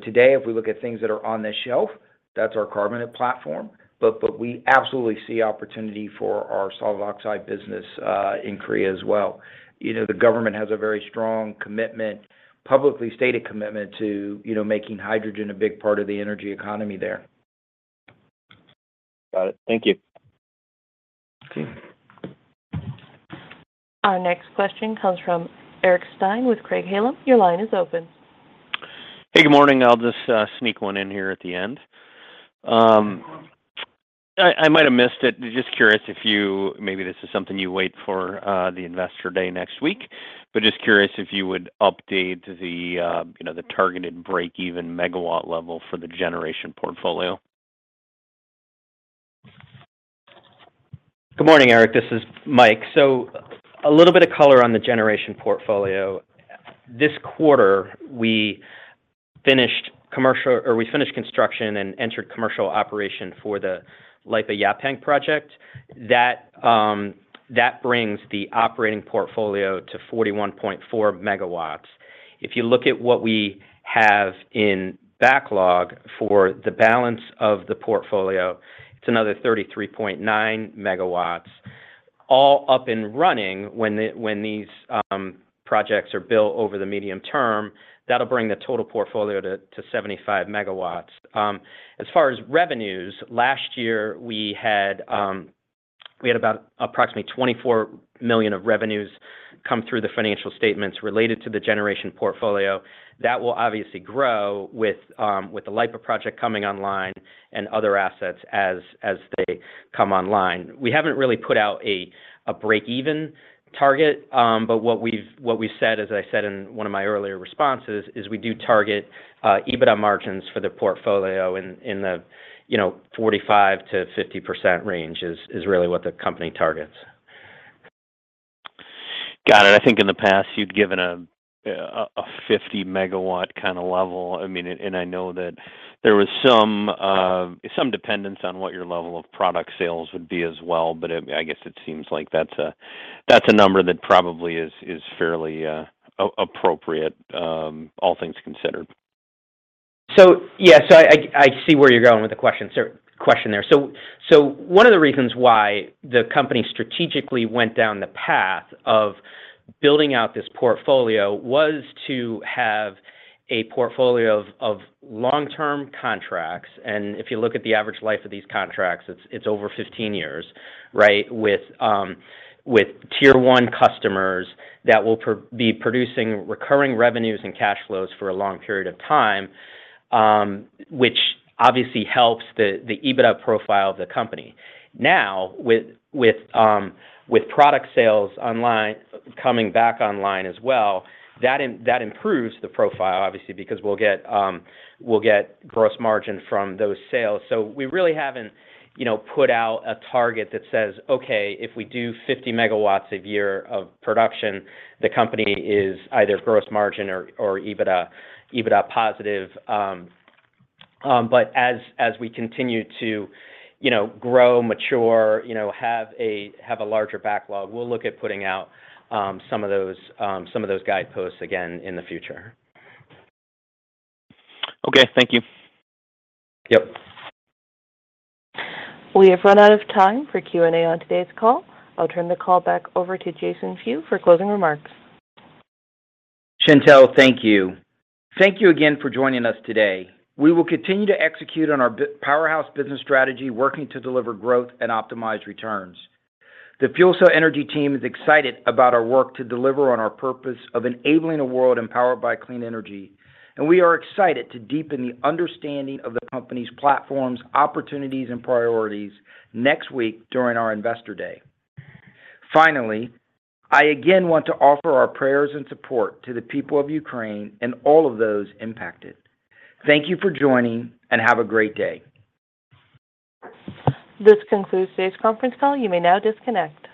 today, if we look at things that are on the shelf, that's our carbonate platform. We absolutely see opportunity for our solid oxide business in Korea as well. You know, the government has a very strong commitment, publicly stated commitment to making hydrogen a big part of the energy economy there. Got it. Thank you. Okay. Our next question comes from Eric Stine with Craig-Hallum. Your line is open. Hey, good morning. I'll just sneak one in here at the end. I might have missed it. Just curious if you maybe this is something you wait for the Investor Day next week, but just curious if you would update the you know the targeted break-even megawatt level for the generation portfolio. Good morning, Eric. This is Mike. A little bit of color on the generation portfolio. This quarter, we finished construction and entered commercial operation for the LIPA Yaphank project. That brings the operating portfolio to 41.4 MW. If you look at what we have in backlog for the balance of the portfolio, it's another 33.9 MW. All up and running when these projects are built over the medium term, that'll bring the total portfolio to 75 MW. As far as revenues, last year, we had about approximately $24 million of revenues come through the financial statements related to the generation portfolio. That will obviously grow with the LIPA project coming online and other assets as they come online. We haven't really put out a break-even target, but what we've said, as I said in one of my earlier responses, is we do target EBITDA margins for the portfolio in the you know 45%-50% range is really what the company targets. Got it. I think in the past, you'd given a 50 MW kinda level. I mean, and I know that there was some dependence on what your level of product sales would be as well. I guess it seems like that's a number that probably is fairly appropriate, all things considered. Yeah. I see where you're going with the question there. One of the reasons why the company strategically went down the path of building out this portfolio was to have a portfolio of long-term contracts. If you look at the average life of these contracts, it's over 15 years, right? With tier one customers that will be producing recurring revenues and cash flows for a long period of time, which obviously helps the EBITDA profile of the company. Now, with product sales coming back online as well, that improves the profile, obviously, because we'll get gross margin from those sales. We really haven't, you know, put out a target that says, "Okay, if we do 50 MW a year of production, the company is either gross margin or EBITDA positive." As we continue to, you know, grow, mature, you know, have a larger backlog, we'll look at putting out some of those guideposts again in the future. Okay. Thank you. Yep. We have run out of time for Q&A on today's call. I'll turn the call back over to Jason Few for closing remarks. Chantelle, thank you. Thank you again for joining us today. We will continue to execute on our Powerhouse business strategy, working to deliver growth and optimize returns. The FuelCell Energy team is excited about our work to deliver on our purpose of enabling a world empowered by clean energy, and we are excited to deepen the understanding of the company's platforms, opportunities, and priorities next week during our Investor Day. Finally, I again want to offer our prayers and support to the people of Ukraine and all of those impacted. Thank you for joining, and have a great day. This concludes today's conference call. You may now disconnect.